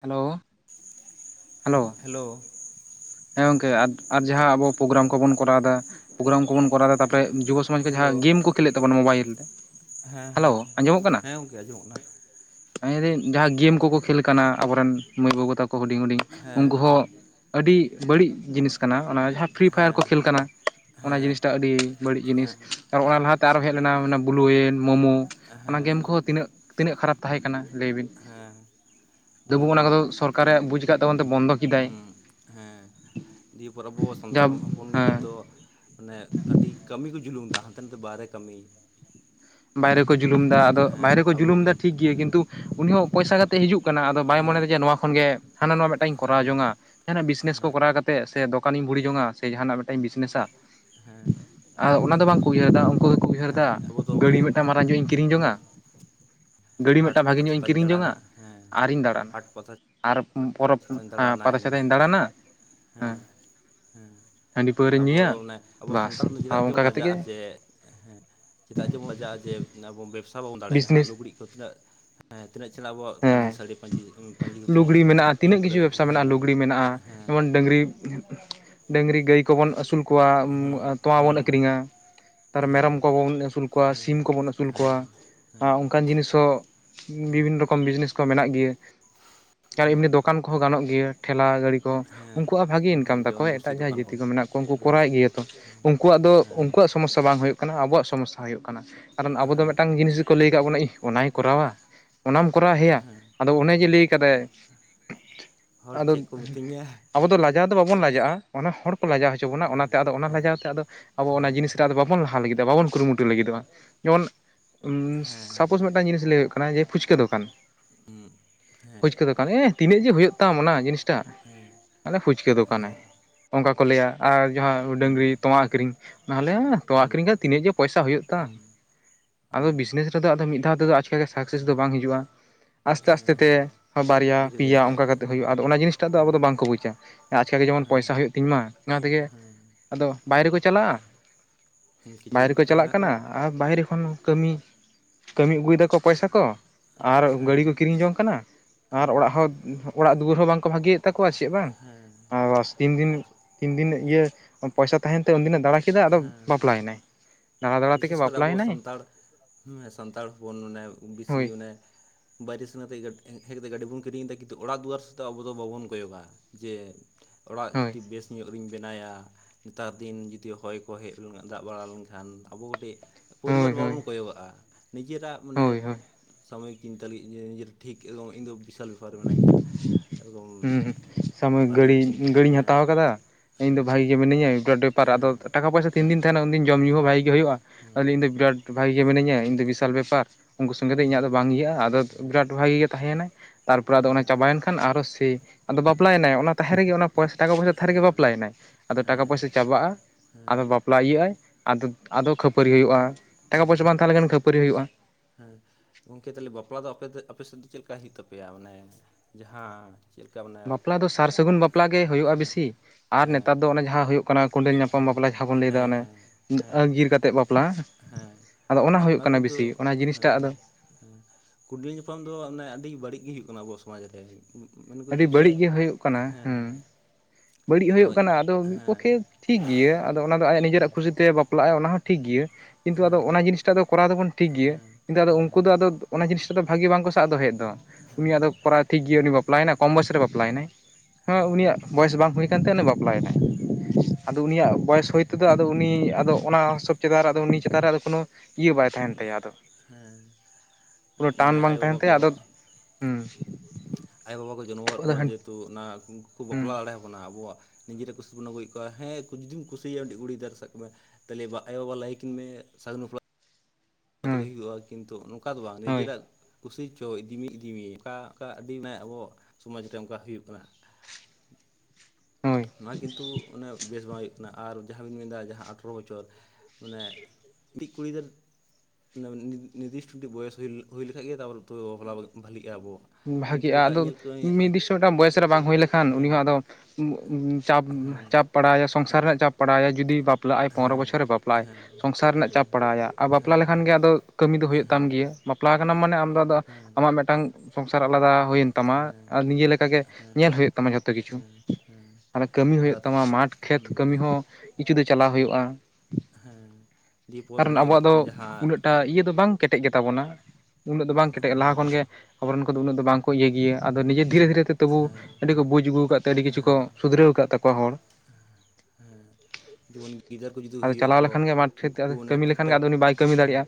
Hello, hello. Hello. ᱦᱮᱸ ᱜᱚᱝᱠᱮ ᱟᱫ ᱟᱨ ᱡᱟᱦᱟᱸ ᱟᱵᱚ ᱯᱨᱳᱜᱨᱟᱢ ᱠᱚᱵᱚᱱ ᱠᱚᱨᱟᱣ ᱫᱟ ᱯᱳᱜᱨᱟᱢ ᱠᱚᱵᱚᱱ ᱠᱚᱨᱟᱣᱫᱟ ᱛᱟᱯᱚᱨᱮ ᱫᱤᱵᱚᱥ [inaudible] ᱢᱟᱹᱦᱟᱸᱭ ᱜᱮᱢ ᱠᱚ ᱠᱷᱮᱞ ᱮᱫ ᱛᱟᱵᱱᱟ ᱢᱳᱵᱟᱭᱤᱞ ᱛᱮ᱾ ᱦᱮᱸ ᱦᱮᱸ ᱦᱮᱸ, ᱦᱮᱸ ᱜᱚᱝᱠᱮ ᱟᱸᱡᱚᱢᱚᱜ ᱠᱟᱱᱟ᱾ [inaudible] ᱡᱟᱸᱦᱟᱸᱭ ᱜᱮᱢ ᱠᱚᱠᱚ ᱠᱷᱮᱞ ᱠᱟᱱᱟ ᱟᱵᱚᱨᱮᱱ ᱢᱟᱹᱭ ᱵᱟᱹᱵᱩ ᱛᱟᱠᱚ ᱦᱩᱰᱤᱧ ᱦᱩᱰᱤᱧ, ᱦᱮᱸ ᱩᱱᱠᱩ ᱦᱚᱸ ᱦᱮᱸ ᱟᱹᱰᱤ ᱵᱟᱹᱲᱤᱡ ᱡᱤᱱᱤᱥ ᱠᱟᱱᱟ ᱚᱱᱟ ᱡᱟᱦᱟᱸ ᱯᱷᱨᱤ ᱯᱷᱟᱭᱟᱨ ᱠᱚ ᱦᱮᱸ ᱦᱮᱸ ᱠᱷᱮᱞ ᱠᱟᱱᱟ᱾ ᱚᱱᱟ ᱡᱤᱱᱤᱥᱴᱟᱜ ᱟᱹᱰᱤ ᱵᱟᱹᱲᱤᱡ ᱡᱤᱱᱤᱥ, ᱦᱮᱸ ᱟᱨ ᱚᱱᱟ ᱞᱟᱦᱟᱛᱮ ᱟᱨᱚ ᱦᱮᱡ ᱞᱮᱱᱟ ᱢᱟᱱᱮ ᱵᱞᱩ ᱦᱳᱭᱮᱞ, ᱢᱳᱢᱳ ᱚᱱᱟ ᱦᱮᱸ ᱜᱮᱢ ᱠᱚᱦᱚᱸ ᱛᱤᱱᱟᱹᱜ ᱛᱤᱱᱟᱹᱜ ᱠᱷᱟᱨᱟᱯ ᱛᱟᱦᱮᱸ ᱠᱟᱱᱟ ᱞᱟᱹᱭ ᱵᱤᱱ, ᱦᱮᱸ [unintelligible] ᱚᱱᱟ ᱫᱤᱭᱮᱯᱚᱨ ᱠᱚᱫᱚ ᱥᱚᱨ ᱠᱟᱨᱮ ᱵᱩᱡᱽ ᱟᱠᱟᱫ ᱛᱟᱵᱚᱱᱛᱮ ᱵᱚᱱᱫᱚ ᱠᱮᱫᱟᱭ᱾ ᱦᱩᱸ ᱦᱮᱸ ᱫᱤᱭᱟᱹᱯᱚᱨ ᱟᱵᱚ ᱡᱟ ᱥᱟᱱᱛᱟᱲ ᱦᱚᱯᱚᱱ ᱦᱮᱸ ᱜᱤᱫᱟᱹᱨ ᱫᱚ ᱢᱟᱱᱮ ᱟᱹᱰᱤ ᱠᱟᱹᱢᱤ ᱠᱚ ᱡᱩᱞᱩᱢ ᱫᱟ ᱦᱟᱱᱛᱮ ᱱᱟᱛᱮ ᱵᱟᱦᱨᱮ ᱠᱟᱹᱢᱤ᱾ ᱵᱟᱭᱨᱮ ᱠᱚ ᱡᱩᱞᱩᱢ ᱫᱟ ᱟᱫᱚ ᱦᱮᱸ ᱵᱟᱭᱨᱮ ᱠᱚ ᱟᱵᱚ ᱡᱩᱞᱩᱢ ᱜᱮ ᱮᱫᱟ ᱴᱷᱤᱠ ᱜᱤᱭᱟᱹ ᱦᱮᱸ ᱠᱤᱱᱛᱩ ᱩᱱᱤ ᱦᱚᱸ ᱯᱚᱭᱥᱟ ᱠᱟᱛᱮ ᱦᱤᱡᱩᱜ ᱠᱟᱱᱟ ᱟᱫᱚ ᱵᱟᱭ ᱢᱚᱱᱮᱭ ᱦᱮᱸ ᱫᱟ ᱡᱮ ᱱᱚᱣᱟ ᱠᱷᱚᱱᱜᱮ ᱦᱟᱱᱟ ᱱᱚᱣᱟ ᱢᱤᱫᱴᱟᱝ ᱤᱧ ᱠᱚᱨᱟᱣ ᱦᱮᱸ ᱡᱚᱝᱟ᱾ ᱡᱟᱦᱟᱸᱱᱟᱜ ᱵᱤᱥᱱᱮᱥ ᱠᱚᱨᱟᱣ ᱠᱟᱛᱮᱫ ᱥᱮ ᱫᱚᱠᱟᱱᱤᱧ ᱵᱷᱩᱲᱤ ᱡᱚᱝᱟ ᱥᱮ ᱡᱟᱦᱟᱸᱱᱟᱜ ᱢᱤᱫᱴᱟᱝᱤᱧ ᱵᱤᱥᱱᱮᱥᱟ᱾ ᱦᱮᱸ᱾ ᱟᱨ ᱚᱱᱟ ᱫᱚ ᱵᱟᱝᱠᱚ ᱩᱭᱦᱟᱹᱨ ᱫᱟ ᱩᱱᱠᱩ ᱫᱚᱠᱚ ᱩᱭᱦᱟᱹᱨ ᱦᱮᱸ ᱫᱟ ᱟᱵᱚ ᱫᱚ ᱢᱟᱱᱮ ᱜᱟᱹᱲᱤ ᱢᱤᱫᱴᱟᱝ ᱢᱟᱨᱟᱝ ᱧᱚᱜ ᱤᱧ ᱠᱤᱨᱤᱧ ᱦᱩᱸ ᱡᱚᱝᱟ, ᱜᱟᱹᱲᱤ ᱦᱟᱴ ᱢᱤᱫᱴᱟᱝ ᱵᱷᱟᱹᱜᱮ ᱯᱟᱛᱟ ᱧᱚᱜ ᱤᱧ ᱪᱷᱟᱛᱟᱧ ᱠᱤᱨᱤᱧ ᱡᱚᱝᱟ ᱫᱟᱬᱟᱱᱟ ᱦᱮᱸ ᱟᱨᱤᱧ ᱫᱟᱬᱟᱱᱟ᱾ ᱦᱟᱴ ᱯᱟᱛᱟ ᱟᱨ ᱯᱚᱨᱚᱵᱽ ᱪᱷᱟᱛᱟᱧ ᱦᱮᱸ ᱯᱟᱛᱟ ᱫᱟᱬᱟᱱᱟᱹᱧ ᱪᱷᱟᱛᱟᱧ ᱫᱟᱬᱟᱱᱟ ᱦᱮᱸ᱾ ᱦᱮᱸ ᱦᱟᱺᱰᱤ ᱟᱨ ᱯᱟᱹᱣᱨᱟᱹᱧ ᱟᱵᱚ ᱧᱩᱭᱟ ᱫᱚ ᱢᱟᱱᱮ ᱟᱵᱚ ᱵᱟᱥ ᱥᱟᱱᱛᱟᱲ ᱫᱚ ᱟᱨ ᱪᱮᱫᱟᱜ ᱪᱚᱢ ᱚᱱᱠᱟ ᱠᱟᱛᱮ ᱜᱮ ᱞᱟᱡᱟᱜᱼᱟ ᱡᱮ ᱦᱮᱸ ᱪᱮᱫᱟᱜ ᱡᱮ [inaudible] ᱞᱟᱡᱟᱜᱼᱟ ᱡᱮ ᱟᱵᱚ ᱵᱮᱵᱥᱟ ᱵᱟᱵᱚᱱ ᱫᱟᱲᱮᱜᱼᱟ ᱡᱟᱦᱟᱸᱱᱟᱜ ᱵᱤᱡᱽᱱᱮᱥ ᱞᱩᱜᱽᱲᱤᱡ ᱠᱚ ᱛᱤᱱᱟᱹᱜ ᱦᱮᱸ ᱛᱤᱱᱟᱹᱜ ᱪᱮᱨᱦᱟᱱᱟ ᱟᱵᱚᱣᱟᱜ ᱯᱟᱹᱧᱪᱤ ᱦᱮᱸ ᱥᱟᱹᱲᱤ ᱯᱟᱹᱧᱤ ᱯᱟᱹᱧᱪᱤ ᱫᱷᱩᱛᱤ᱾ ᱞᱩᱜᱽᱲᱤ ᱢᱮᱱᱟᱜᱼᱟ ᱤᱭᱟᱹ ᱛᱤᱱᱟᱹᱜ ᱠᱚᱨᱮ ᱠᱤᱪᱷᱩ ᱵᱮᱵᱽᱥᱟ ᱢᱮᱱᱟᱜᱼᱟ ᱦᱮᱸ ᱞᱩᱜᱽᱲᱤ ᱢᱮᱱᱟᱜᱼᱟ ᱦᱮᱸ ᱡᱮᱢᱚᱱ ᱰᱟᱹᱝᱨᱤ ᱰᱟᱹᱝᱨᱤ ᱜᱟᱹᱭ ᱠᱚᱵᱚᱱ ᱟᱹᱥᱩᱞ ᱠᱚᱣᱟ ᱩᱸ ᱦᱩᱸ ᱛᱚᱣᱟ ᱵᱚᱱ ᱦᱩᱸ ᱟᱹᱠᱷᱨᱤᱝᱟ᱾ ᱛᱟᱨ ᱢᱮᱨᱚᱢ ᱦᱮᱸ ᱠᱚ ᱵᱟᱵᱚᱱ ᱟᱹᱥᱩᱞ ᱠᱚᱣᱟ ᱥᱤᱢ ᱦᱮᱸ ᱠᱚᱵᱚᱱ ᱟᱹᱥᱩᱞ ᱠᱚᱣᱟ, ᱦᱮᱸ ᱦᱮᱸ ᱚᱱᱠᱟᱱ ᱡᱤᱱᱤᱥ ᱦᱚᱸ ᱦᱮᱸ ᱵᱤᱵᱷᱤᱱᱱᱚ ᱨᱚᱠ ᱠᱚᱢ ᱵᱤᱡᱽᱱᱮᱥ ᱠᱚ ᱢᱮᱱᱟᱜ ᱜᱮᱭᱟ᱾ ᱟᱨ ᱦᱩᱸ ᱮᱢᱱᱤ ᱫᱚᱠᱟᱱ ᱠᱚᱦᱚᱸ ᱜᱟᱱᱚᱜ ᱜᱮᱭᱟ ᱴᱷᱮᱞᱟ ᱜᱟᱹᱲᱤ ᱠᱚ, ᱩᱱᱠᱩᱣᱟᱜ ᱦᱚᱸ ᱵᱷᱟᱜᱨ ᱤᱱᱠᱟᱢ ᱦᱮᱸ ᱛᱟᱠᱚ ᱡᱮᱢᱚᱱ ᱵᱷᱩᱥᱤ ᱮᱴᱟᱜ ᱡᱟᱦᱟᱸᱭ ᱫᱚᱠᱟᱱ ᱡᱟᱹᱛᱤ ᱠᱚ ᱢᱮᱱᱟᱜ [unintelligible] ᱠᱩ ᱦᱮᱸ ᱠᱚᱨᱟᱣᱮᱫ ᱜᱮᱭᱟ ᱛᱚ, ᱩᱱᱠᱩᱣᱟᱜ ᱫᱚ ᱦᱮᱸ ᱩᱱᱠᱩᱣᱟᱜ ᱥᱚᱢᱚᱥᱥᱟ ᱵᱟᱝ ᱦᱩᱭᱩᱜ ᱠᱟᱱᱟ ᱟᱵᱚᱣᱟᱜ ᱥᱚᱢᱚᱥᱥᱟ ᱦᱳᱭᱳᱜ ᱠᱟᱱᱟ, ᱠᱟᱨᱚᱱ ᱟᱵᱚ ᱫᱚ ᱦᱮᱸ ᱢᱤᱫᱴᱟᱝ ᱡᱤᱱᱤᱥ ᱜᱮᱠᱚ ᱞᱟᱹᱭ ᱠᱟᱫ ᱵᱚᱱᱟ ᱤᱦ ᱚᱱᱟᱭ ᱠᱚᱨᱟᱣᱟ᱾ ᱚᱱᱟᱢ ᱠᱚᱨᱟᱣ ᱦᱮᱭᱟ ᱦᱮᱸ ᱟᱫᱚ ᱚᱱᱮ ᱡᱮ ᱦᱮᱸ ᱞᱟᱹᱭ ᱠᱟᱫᱟᱭ, ᱦᱚᱲ ᱟᱫᱚ, ᱪᱮᱫ ᱠᱚ ᱢᱤᱛᱟᱹᱧᱟ ᱟᱵᱚ ᱫᱚ ᱞᱟᱡᱟᱣ ᱫᱚ ᱵᱟᱵᱚᱱ ᱞᱟᱡᱟᱜᱼᱟ᱾ ᱚᱱᱟ ᱦᱚᱲ ᱠᱚ ᱞᱟᱡᱟᱣ ᱦᱚᱪᱚ ᱵᱚᱱᱟ ᱚᱱᱟᱛᱮ ᱦᱮᱸ ᱟᱫᱚ ᱚᱱᱟ ᱦᱮᱸ ᱞᱟᱡᱟᱣ ᱛᱮ ᱟᱫᱚ ᱟᱵᱚ ᱚᱱᱟ ᱦᱮᱸ ᱡᱤᱱᱤᱥ ᱨᱮ ᱟᱫᱚ ᱵᱟᱵᱚᱱ ᱞᱟᱦᱟ ᱞᱟᱹᱜᱤᱫᱚᱜ-ᱟ ᱵᱟᱵᱚᱱ ᱠᱩᱨᱩᱢᱩᱴᱩ ᱩᱴ ᱞᱟᱹᱜᱤᱫᱚᱜᱼᱟ, ᱡᱮᱢᱚᱱ ᱩᱸ ᱦᱮᱸ ᱥᱟᱯᱳᱡ ᱢᱤᱫᱴᱟᱝ ᱡᱤᱱᱤᱥ ᱞᱟᱹᱭ ᱦᱩᱭᱩᱜ ᱠᱟᱱᱟ ᱡᱮ ᱯᱷᱩᱪᱠᱟᱹ ᱫᱚᱠᱟᱱ, ᱦᱩᱸ᱾ ᱯᱷᱩᱪᱠᱟᱹ ᱫᱚᱠᱟᱱ ᱮ ᱛᱤᱱᱟᱹᱜ ᱡᱮ ᱦᱩᱭᱩᱜ ᱛᱟᱢ ᱚᱱᱟ ᱡᱤᱱᱤᱥᱴᱟᱜ, ᱦᱮᱸ [inaudible] ᱯᱷᱩᱪᱠᱟᱹ ᱫᱚᱠᱟᱱᱟᱭ᱾ ᱦᱮᱸ ᱚᱝᱠᱟ ᱠᱚ ᱞᱟᱹᱭᱟ ᱟᱨ ᱡᱟᱦᱟᱸ ᱦᱩᱸ ᱰᱟᱹᱝᱨᱤ ᱛᱳᱣᱟ ᱟᱹᱠᱷᱨᱤᱝ ᱚᱱᱟᱦᱚᱸ ᱞᱮᱭᱟ ᱛᱚᱣᱟ ᱦᱩᱸ ᱟᱹᱷᱨᱤᱝ ᱠᱟᱛᱮ ᱛᱤᱱᱟᱹᱜ ᱡᱮ ᱯᱚᱭᱥᱟ ᱦᱩᱭᱩᱜ ᱛᱟᱢ, ᱦᱩᱸ ᱟᱫᱚ ᱦᱩᱸ ᱵᱤᱥᱱᱮᱥ ᱨᱮᱫᱚ ᱟᱫᱚ ᱢᱤᱫ ᱫᱷᱟᱣ ᱛᱮᱫᱚ ᱟᱪᱠᱟ ᱜᱮ ᱥᱟᱠᱥᱮᱥ ᱫᱚ ᱵᱟᱝ ᱦᱤᱡᱩᱜᱼᱟ᱾ ᱟᱥᱛᱮ ᱦᱮᱸ ᱟᱥᱛᱮ ᱛᱮ ᱦᱮᱸ ᱦᱚᱸ ᱵᱟᱨᱭᱟ ᱫᱷᱤᱨᱮ ᱯᱤᱭᱟ ᱫᱷᱤᱨᱮᱛᱮ ᱚᱝᱠᱟ ᱠᱟᱛᱮ ᱦᱮᱸ ᱦᱩᱭᱩᱜᱼᱟ ᱟᱫᱚ ᱚᱱᱟ ᱡᱤᱱᱤᱥᱴᱟᱜ ᱫᱚ ᱟᱵᱚ ᱫᱚ ᱦᱮᱸ ᱵᱟᱝᱠᱚ ᱵᱩᱪᱟ᱾ ᱟᱪᱠᱟ ᱜᱮ ᱡᱮᱢᱚᱱ ᱦᱮᱸ ᱯᱚᱭᱥᱟ ᱦᱩᱭᱩᱜ ᱛᱤᱧ ᱢᱟ ᱚᱱᱟ ᱛᱮᱜᱮ ᱦᱮᱸ ᱟᱫᱚ ᱵᱟᱭᱨᱮ ᱠᱚ ᱪᱟᱞᱟᱜᱼᱟ᱾ ᱠᱤᱪᱷᱩ ᱵᱟᱭᱨᱮ ᱫᱤᱱ ᱠᱚ ᱪᱟᱞᱟᱜ ᱛᱟᱦᱮᱱᱟᱠᱚ ᱠᱟᱱᱟ ᱟᱨ ᱵᱟᱦᱨᱮ ᱠᱷᱚᱱ ᱠᱟᱹᱢᱤ, ᱠᱟᱹᱢᱤ ᱟᱹᱜᱩᱭ ᱫᱟᱠᱚ ᱯᱚᱭᱥᱟ ᱠᱚ᱾ ᱟᱨ ᱜᱟᱹᱲᱤ ᱦᱮᱸ ᱠᱚ ᱠᱤᱨᱤᱧ ᱡᱚᱝ ᱠᱟᱱᱟ ᱟᱨ ᱚᱲᱟᱜ ᱦᱚᱸ ᱚᱲᱟᱜ ᱫᱩᱣᱟᱹᱨ ᱦᱚᱸ ᱵᱟᱝᱠᱚ ᱵᱷᱟᱜᱮ ᱮᱫ ᱛᱟᱠᱚᱣᱟ ᱪᱮᱫ ᱵᱟᱝ ᱦᱮᱸ ᱟᱨ ᱵᱟᱥ ᱛᱤᱱ ᱫᱤᱱ ᱟᱨ ᱛᱤᱱ ᱫᱤᱱ ᱤᱭᱟᱹ ᱯᱚᱭᱥᱟ ᱛᱟᱦᱮᱸᱭᱮᱱ ᱛᱟᱭᱟ ᱩᱱᱫᱤᱱᱮ ᱫᱟᱬᱟ ᱠᱮᱫᱟᱭ ᱟᱫᱚ ᱦᱮᱸ ᱵᱟᱯᱞᱟᱭᱮᱱᱟᱭ, ᱫᱟᱬᱟ ᱫᱟᱬᱟ ᱛᱮᱜᱮ ᱵᱟᱯᱞᱟᱭᱮᱱᱟᱭ ᱦᱮᱸ ᱥᱟᱱᱛᱟᱲ ᱦᱚᱯᱚᱱ ᱚᱱᱮ ᱵᱮᱥᱤ ᱦᱳᱭ ᱚᱱᱮ ᱵᱟᱭᱨᱮ ᱥᱮᱱ ᱠᱟᱛᱮ ᱜᱟ ᱦᱮᱡ ᱠᱟᱛᱮ ᱜᱟᱹᱰᱤ ᱵᱚᱱ ᱠᱤᱨᱤᱧ ᱮᱫᱟ ᱠᱤᱱᱛᱩ ᱚᱲᱟᱜ ᱫᱩᱣᱟᱹᱨ ᱥᱮᱫ ᱫᱚ ᱟᱵᱚ ᱫᱚ ᱵᱟᱵᱚᱱ ᱠᱚᱭᱚᱜᱟ ᱡᱮ ᱚᱲᱟᱜ ᱦᱳᱭ ᱠᱟᱹᱴᱤᱡ ᱵᱮᱥ ᱧᱚᱜ ᱨᱤᱧ ᱵᱮᱱᱟᱭᱟ, ᱱᱮᱛᱟᱨ ᱫᱤᱱ ᱡᱩᱫᱤ ᱦᱚᱭ ᱠᱚ ᱦᱮᱡ ᱞᱮᱱᱠᱷᱟᱱ ᱫᱟᱜ ᱵᱟᱲᱟ ᱞᱮᱱᱠᱷᱟᱱ ᱟᱵᱚ ᱠᱟᱹᱴᱤᱡ ᱯᱚᱨᱤᱵᱟᱨ ᱦᱳᱭ ᱦᱳᱭ ᱵᱟᱵᱚᱱ ᱠᱚᱭᱚᱜᱟᱜᱼᱟ ᱱᱤᱡᱮᱨᱟᱜ ᱢᱟᱱᱮ ᱦᱳᱭ ᱦᱳᱭ ᱥᱟᱢᱚᱭᱤᱠ ᱪᱤᱱᱛᱟᱹ ᱞᱟᱹᱜᱤᱫ ᱤᱭᱟᱹ ᱱᱤᱡᱮᱨ ᱴᱷᱤᱠ ᱟᱫᱚ ᱤᱧ ᱫᱚ ᱵᱤᱥ ᱛᱟᱱ ᱯᱷᱟᱨ ᱢᱤᱱᱟᱹᱧᱟ ᱮᱨᱚᱠᱚᱢ ᱦᱩᱸ ᱥᱟᱢᱚᱭᱤᱠ ᱜᱟᱹᱲᱤᱧ ᱜᱟᱹᱲᱤᱧ ᱦᱟᱛᱟᱣ ᱟᱠᱟᱫᱟ ᱤᱧ ᱫᱚ ᱦᱮᱸ ᱵᱷᱟᱜᱤ ᱜᱮ ᱢᱤᱱᱟᱹᱧᱟ ᱵᱤᱨᱟᱴ ᱰᱮᱯᱟᱨ ᱟᱫᱚ ᱦᱮᱸ ᱯᱷᱟᱴᱟᱠ [unintelligible] ᱴᱟᱠᱟ ᱯᱚᱭᱥᱟ ᱛᱤᱱ ᱦᱮᱸ ᱫᱤᱱ ᱛᱟᱦᱮᱸᱱᱟ ᱩᱱᱫᱤᱱ ᱡᱚᱢ ᱦᱮᱸ ᱧᱩ ᱦᱚᱸ ᱵᱷᱟᱜᱮ ᱜᱮ ᱦᱳᱭᱳᱜᱼᱟ ᱦᱮᱸ ᱟᱫᱚ ᱤᱧ ᱫᱚ ᱵᱤᱨᱟᱴ ᱵᱷᱟᱜᱤ ᱜᱮ ᱢᱤᱱᱟᱹᱧᱟ ᱦᱮᱸ ᱤᱧ ᱫᱚ ᱵᱤᱥᱟᱞ ᱵᱮᱯᱟᱨ ᱩᱠᱩ ᱥᱚᱸᱜᱮ ᱫᱚ ᱤᱧᱟᱹᱜ ᱦᱩᱸ ᱫᱚ ᱵᱟᱝ ᱤᱭᱟᱹᱜᱼᱟ ᱟᱫᱚ ᱦᱩᱸ ᱵᱤᱨᱟᱴ ᱵᱷᱟᱜᱤ ᱜᱮ ᱛᱟᱦᱮᱸᱭ ᱱᱟᱭ ᱛᱟᱯᱚᱨᱮ ᱚᱱᱟ ᱦᱩᱸ ᱪᱟᱵᱟᱭᱮᱱ ᱠᱷᱟᱱ ᱟᱨᱦᱚ ᱥᱮᱭ ᱟᱫᱚ ᱵᱟᱯᱞᱟᱭᱮᱱᱟᱭ ᱚᱱᱟ ᱛᱟᱦᱮᱸ ᱨᱮᱜᱮ ᱚᱱᱟ ᱴᱟᱠᱟ ᱯᱚᱭᱥᱟ ᱛᱟᱦᱮᱸ ᱨᱮᱜᱮ ᱦᱮᱸ ᱵᱟᱯᱞᱟᱭᱮᱱᱟᱭ ᱟᱫᱚ ᱴᱟᱠᱟ ᱦᱮᱸ ᱯᱚᱭᱥᱟ ᱪᱟᱵᱟᱜᱼᱟ ᱦᱮᱸ ᱟᱫᱚ ᱵᱟᱯᱞᱟ ᱤᱭᱟᱹᱜ ᱟᱭ ᱟᱫᱚ ᱟᱫᱚ ᱠᱷᱟᱹᱯᱟᱹᱨᱤ ᱦᱩᱭᱩᱜᱼᱟ᱾ ᱴᱟᱠᱟ ᱦᱩᱸ ᱯᱚᱭᱥᱟ ᱵᱟᱝ ᱛᱟᱦᱮᱸ ᱞᱮᱠᱷᱟᱱ ᱠᱷᱟᱹᱯᱟᱹᱨᱤ ᱦᱩᱭᱩᱜᱼᱟ᱾ ᱦᱮᱸ ᱜᱚᱢᱠᱮ ᱛᱟᱦᱚᱞᱮ ᱵᱟᱯᱞᱟ ᱫᱚ ᱟᱯᱮ ᱥᱮᱫ ᱫᱚ ᱪᱮᱫ ᱞᱮᱠᱟ ᱦᱩᱭᱩᱜ ᱛᱟᱯᱮᱭᱟ ᱢᱟᱱᱮ ᱡᱟᱦᱟᱸ ᱪᱮᱫ ᱞᱮᱠᱟ ᱢᱟᱱᱮ ᱵᱟᱯᱞᱟ ᱫᱚ ᱥᱟᱨ ᱥᱟᱹᱜᱩᱱ ᱵᱟᱯᱞᱟ ᱜᱮ ᱦᱳᱭᱳᱜᱼᱟ ᱦᱮᱸ ᱵᱤᱥᱤ ᱟᱨ ᱦᱮᱸ ᱱᱮᱛᱟᱨ ᱫᱚ ᱚᱱᱮ ᱡᱟᱦᱟᱸ ᱦᱳᱭᱳᱜ ᱠᱟᱱᱟ ᱠᱚᱸᱰᱮᱞ ᱧᱟᱯᱟᱢ ᱦᱮᱸ ᱵᱟᱯᱞᱟ ᱡᱟᱦᱟᱸ ᱵᱚᱱ ᱞᱟᱹᱭᱫᱟ ᱦᱮᱸ ᱚᱱᱮ ᱦᱮᱸ ᱦᱮᱸ ᱟᱹᱜᱤᱨ ᱠᱟᱛᱮᱫ ᱵᱟᱯᱞᱟ ᱾ ᱦᱮᱸ ᱱᱚᱣᱟ ᱠᱤᱱᱛᱩ ᱡᱤᱱᱤᱥᱴᱟᱜ ᱦᱮᱸ ᱟᱫᱚ ᱾ ᱦᱮᱸ ᱠᱩᱰᱞᱤ ᱧᱟᱯᱟᱢ ᱫᱚ ᱚᱱᱮ ᱟᱹᱰᱤ ᱵᱟᱹᱲᱤᱡ ᱜᱮ ᱦᱩᱭᱩᱜ ᱠᱟᱱᱟ ᱟᱵᱚᱣᱟᱜ ᱥᱚᱢᱟᱡᱽ ᱨᱮ ᱾ ᱢᱮᱱ ᱟᱹᱰᱤ ᱠᱚᱨᱛᱮ ᱜᱮᱞᱮ ᱵᱟᱹᱲᱤᱡ ᱜᱮ ᱦᱩᱭᱩᱜ ᱠᱟᱱᱟ ᱦᱮᱸ ᱵᱟᱹᱲᱤᱡ ᱛᱚ ᱦᱩᱭᱩᱜ ᱠᱟᱱᱟ ᱟᱫᱚ ᱢᱤᱫ ᱦᱮᱸ ᱯᱚᱠᱠᱷᱮ ᱴᱷᱤᱠ ᱜᱮᱭᱟ ᱟᱫᱚ ᱚᱱᱟ ᱫᱚ ᱟᱭᱟᱜ ᱱᱤᱡᱮᱨᱟᱜ ᱠᱷᱩᱥᱤᱛᱮ ᱵᱟᱯ ᱵᱟᱯᱞᱟᱜᱼᱟᱭ ᱚᱱᱟ ᱦᱚᱸ ᱴᱷᱤᱠ ᱜᱮᱭᱟ ᱠᱤᱱᱛᱩ ᱟᱫᱚ ᱦᱮᱸ ᱚᱱᱟ ᱡᱤᱱᱤᱥᱴᱟᱜ ᱫᱚ ᱠᱚᱨᱟᱣ ᱫᱚᱵᱚᱱ ᱴᱷᱤᱠ ᱜᱮᱭᱟ ᱦᱮᱸ ᱠᱤᱱᱛᱩ ᱟᱫᱚ ᱩᱱᱠᱩ ᱫᱚ ᱦᱮᱸ ᱟᱫᱚ, ᱚᱱᱟ ᱡᱤᱱᱤᱥ ᱴᱟᱜᱫᱚ ᱵᱷᱟᱜᱤ ᱵᱟᱝᱠᱚ ᱥᱟᱵ ᱫᱚᱦᱚᱭᱮᱫ ᱫᱚ ᱩᱱᱤᱭᱟᱜ ᱫᱚ ᱠᱚᱨᱟᱭᱟᱭ ᱴᱷᱤᱠ ᱜᱮᱭᱟ ᱩᱱᱤ ᱵᱟᱯᱞᱟᱭᱮᱱᱟᱭ ᱠᱚᱢ ᱵᱚᱭᱚᱥᱨᱮ ᱵᱟᱯᱞᱟᱭᱮᱱᱟᱭ ᱾ ᱦᱮᱸ ᱩᱱᱤᱭᱟᱜ ᱵᱚᱭᱮᱥ ᱵᱟᱝ ᱦᱩᱭ ᱠᱟᱱ ᱛᱟᱭᱟ ᱩᱱᱤ ᱵᱟᱯᱞᱟᱭᱮᱱᱟ ᱾ ᱟᱫᱚ ᱩᱱᱤᱭᱟᱜ ᱵᱚᱭᱮᱥ ᱦᱚᱭ ᱛᱮᱫᱚ ᱟᱫᱚ ᱩᱱᱤ ᱟᱫᱚ ᱚᱱᱟ ᱦᱤᱥᱟᱹᱵ ᱪᱮᱛᱟᱱ ᱨᱮ ᱩᱱᱤ ᱪᱮᱛᱟᱱ ᱨᱮ ᱠᱳᱱᱳ, ᱤᱭᱟᱹ ᱵᱟᱭ ᱛᱟᱦᱮᱱ ᱛᱟᱭᱟ ᱟᱫᱚ ᱦᱮᱸ ᱯᱩᱨᱟᱹ ᱴᱟᱱ ᱦᱮᱸ ᱵᱟᱝ ᱟᱭᱳ ᱛᱟᱦᱮᱱ ᱵᱟᱵᱟ ᱛᱟᱭᱟ ᱟᱫᱚ ᱦᱩᱸ ᱟᱭᱳ ᱵᱟᱵᱟ ᱠᱚ ᱡᱚᱱᱢᱚ ᱟᱠᱟᱫ ᱟᱫᱚ ᱵᱚᱱᱟ ᱦᱟᱹᱱ ᱡᱮᱦᱮᱛᱩ ᱚᱱᱟ ᱩᱱᱠᱩ ᱠᱚ ᱦᱩᱸ ᱵᱟᱯᱞᱟ ᱫᱟᱲᱮᱭᱟᱵᱚ ᱵᱚᱱᱟ ᱟᱵᱚᱣᱟᱜ ᱱᱤᱡᱮᱨᱟᱜ ᱠᱩᱥᱤ ᱛᱮᱵᱚᱱ ᱟᱹᱜᱩᱭᱮᱫ ᱠᱚᱣᱟ ᱦᱮᱸ ᱡᱩᱤᱢ ᱠᱩᱥᱤᱣᱟᱭᱟ ᱰᱮᱝᱜᱟᱹᱭᱟᱹ ᱜᱩᱲᱤ ᱜᱤᱫᱽᱨᱟᱹ ᱟᱫᱚ ᱥᱟᱵ ᱠᱟᱜ ᱢᱮ, ᱛᱟᱞᱮ ᱟᱭᱳ ᱵᱟᱵᱟ ᱞᱮᱭᱟᱠᱤᱱ ᱢᱮ ᱥᱟᱹᱜᱩᱱ ᱵᱟᱯᱞᱟ ᱾ ᱟᱠᱤᱨ ᱦᱳᱭ ᱜᱮ ᱦᱩᱭᱩᱜᱼᱟ ᱠᱤᱱᱛᱩ ᱱᱚᱝᱠᱟ ᱫᱚ ᱵᱟᱝ ᱦᱳᱭ ᱱᱤᱡᱮᱨᱟᱜ‌, ᱠᱩᱥᱤ ᱪᱚ ᱤᱫᱤᱢᱤᱧ ᱤᱫᱤᱢᱤᱧ ᱚᱱᱠᱟ ᱚᱱᱠᱟ ᱟᱹᱰᱤ ᱢᱟᱱᱮ ᱟᱵᱚ ᱥᱚᱢᱟᱡᱽ ᱨᱮ ᱚᱱᱠᱟ ᱦᱩᱭᱩᱜ ᱠᱟᱱᱟ ᱾ ᱦᱳᱭ ᱱᱚᱣᱟ ᱠᱤᱱᱛᱩ ᱚᱱᱮ, ᱵᱮᱥ ᱵᱟᱝ ᱦᱩᱭᱩᱜ ᱠᱟᱱᱟ ᱟᱨ ᱡᱟᱦᱟᱸ ᱵᱤᱱ ᱢᱮᱱᱫᱟ ᱡᱟᱦᱟᱸ ᱟᱴᱷᱨᱚ ᱵᱚᱪᱷᱚᱨ ᱢᱟᱱᱮ ᱢᱤᱫᱴᱤᱡ ᱠᱩᱲᱤ ᱜᱤᱫᱟᱹᱨ ᱟᱱᱟ ᱢᱟᱱᱮ ᱱᱤᱨᱫᱤᱥᱴᱚ ᱢᱤᱫᱴᱤᱡ ᱵᱚᱭᱮᱥ ᱦᱩᱭ ᱦᱩᱭ ᱞᱮᱠᱷᱟᱡ ᱜᱮ ᱛᱟᱯᱚᱨᱚ ᱵᱟᱯᱞᱟ ᱵᱷᱟᱞᱤᱜᱼᱟ ᱟᱵᱚᱣᱟᱜ ᱾ ᱵᱷᱟᱜᱤᱜᱼᱟ ᱟᱫᱚ ᱢᱤᱫᱤᱥᱚ ᱢᱤᱫᱴᱟᱝ ᱵᱚᱭᱮᱥ ᱨᱮ ᱵᱟᱝ ᱦᱩᱭ ᱞᱮᱠᱷᱟᱱ, ᱠᱷᱟᱱ ᱩᱱᱤ ᱦᱮᱸ ᱦᱚᱸ ᱟᱫᱚ ᱪᱟᱯ ᱦᱮᱸ ᱪᱟᱯ ᱯᱟᱲᱟᱣᱟ ᱥᱚᱝᱥᱟᱨ ᱨᱮᱱᱟᱜ ᱪᱟᱯ ᱯᱟᱲᱟᱣᱟ ᱡᱩᱫᱤ ᱵᱟ ᱯᱞᱟᱜ ᱟᱭ ᱯᱚᱱᱨᱚ ᱦᱮᱸ ᱵᱚᱪᱷᱚᱨ ᱨᱮ ᱵᱟᱯᱞᱟᱭ ᱦᱮᱸ ᱥᱚᱝᱥᱟᱨ ᱨᱮᱱᱟᱜ ᱦᱮᱸ ᱪᱟᱯ ᱯᱟᱲᱟᱣᱟᱭᱟ ᱟᱨ ᱵᱟᱯᱞᱟ ᱦᱮᱸ ᱞᱮᱠᱷᱟᱱ ᱜᱮ ᱟᱫᱚ ᱠᱟᱹᱢᱤ ᱫᱚ ᱦᱩᱭᱩᱜ ᱛᱟᱢ ᱦᱮᱸ ᱜᱮᱭᱟ ᱵᱟ ᱯᱞᱟ ᱠᱟᱱᱟᱢ ᱢᱟᱱᱮ ᱟᱢᱫᱚ ᱟᱫᱚ ᱦᱮᱸ ᱟᱢᱟᱜ ᱢᱤᱫᱴᱟᱝ ᱥᱚᱝᱥᱟᱨ ᱟᱞᱟᱫᱟ ᱦᱩᱭᱮᱱ ᱛᱟᱢᱟ ᱦᱮᱸ ᱟᱨ ᱱᱤᱡᱮ ᱞᱮᱠᱟᱜᱮ ᱧᱮᱞ ᱦᱩᱭᱩᱜ ᱛᱟᱢᱟ ᱡᱷᱚᱛᱚ ᱠᱤᱪᱷᱩ ᱦᱮᱸ ᱦᱮᱸ ᱟᱨ ᱠᱟᱹᱢᱤ ᱦᱩᱭᱩᱜ ᱟᱨ ᱛᱟᱢᱟ ᱢᱟᱴᱷᱚ ᱠᱷᱮᱛ ᱠᱟᱹᱢᱤ ᱦᱩᱸ ᱦᱚᱸ ᱠᱤᱪᱷᱩ ᱫᱚ ᱪᱟᱞᱟᱣ ᱦᱩᱭᱩᱜᱼᱟ ᱦᱮᱸ ᱾ ᱫᱤᱭᱮᱯᱚᱨ ᱠᱟᱨᱚᱱ ᱚᱱᱮ ᱟᱵᱚᱣᱟᱜ ᱫᱚ ᱡᱟᱦᱟᱸ ᱩᱱᱟᱹᱜᱴᱟ ᱤᱭᱟᱹ ᱫᱚ ᱵᱟᱝ ᱠᱮᱴᱮᱡ ᱜᱮᱛᱟ ᱵᱚᱱᱟ ᱩᱱᱟᱹᱜ ᱫᱚ ᱵᱟᱝ ᱠᱮᱴᱮᱡ ᱜᱮ ᱞᱟᱦᱟ ᱦᱮᱸ ᱠᱷᱚᱱᱜᱮ ᱟᱵᱚᱨᱮᱱ ᱠᱚᱫᱚ ᱩᱱᱟᱹᱜ ᱫᱚ ᱵᱟᱝ ᱠᱚ ᱤᱭᱟᱹ ᱜᱮᱭᱟ ᱟᱫᱚ ᱤᱡᱮ ᱫᱷᱤᱨᱮ ᱫᱷᱤᱨᱮ ᱛᱮ, ᱛᱩᱵᱩ ᱦᱮᱸ ᱟᱹᱰᱤ ᱠᱚ ᱵᱩᱡᱽ ᱟᱹᱜᱩ ᱟᱠᱟᱫ ᱛᱮ ᱟᱹᱰᱤ ᱠᱤᱪᱷᱩ ᱠᱚ ᱥᱩᱫᱷᱟᱹᱣ ᱟᱠᱟᱫ ᱛᱟᱠᱚᱣᱟ ᱦᱚᱲ ᱾ ᱦᱮᱸ ᱾ ᱡᱮᱢᱚᱱ ᱜᱤᱫᱟᱹᱨ ᱠᱚ ᱡᱩᱫᱤ ᱟᱫᱚ ᱦᱩᱭᱩᱜ ᱪᱟᱞᱟᱣ ᱟᱠᱚ ᱞᱮᱠᱷᱟᱱ ᱜᱮ ᱢᱟᱴᱷ ᱠᱷᱮᱛ ᱩᱱᱠᱩ ᱠᱚ ᱚᱱᱟ ᱠᱟᱹᱢᱤ ᱴᱷᱤᱠ ᱞᱮᱠᱷᱟᱱ ᱜᱮ ᱴᱷᱟᱠ ᱟᱫᱚ ᱩᱱᱤ ᱵᱟᱭ ᱠᱟᱹᱢᱤ ᱫᱟᱲᱮᱭᱟᱜᱼᱟ ᱦᱮᱸ,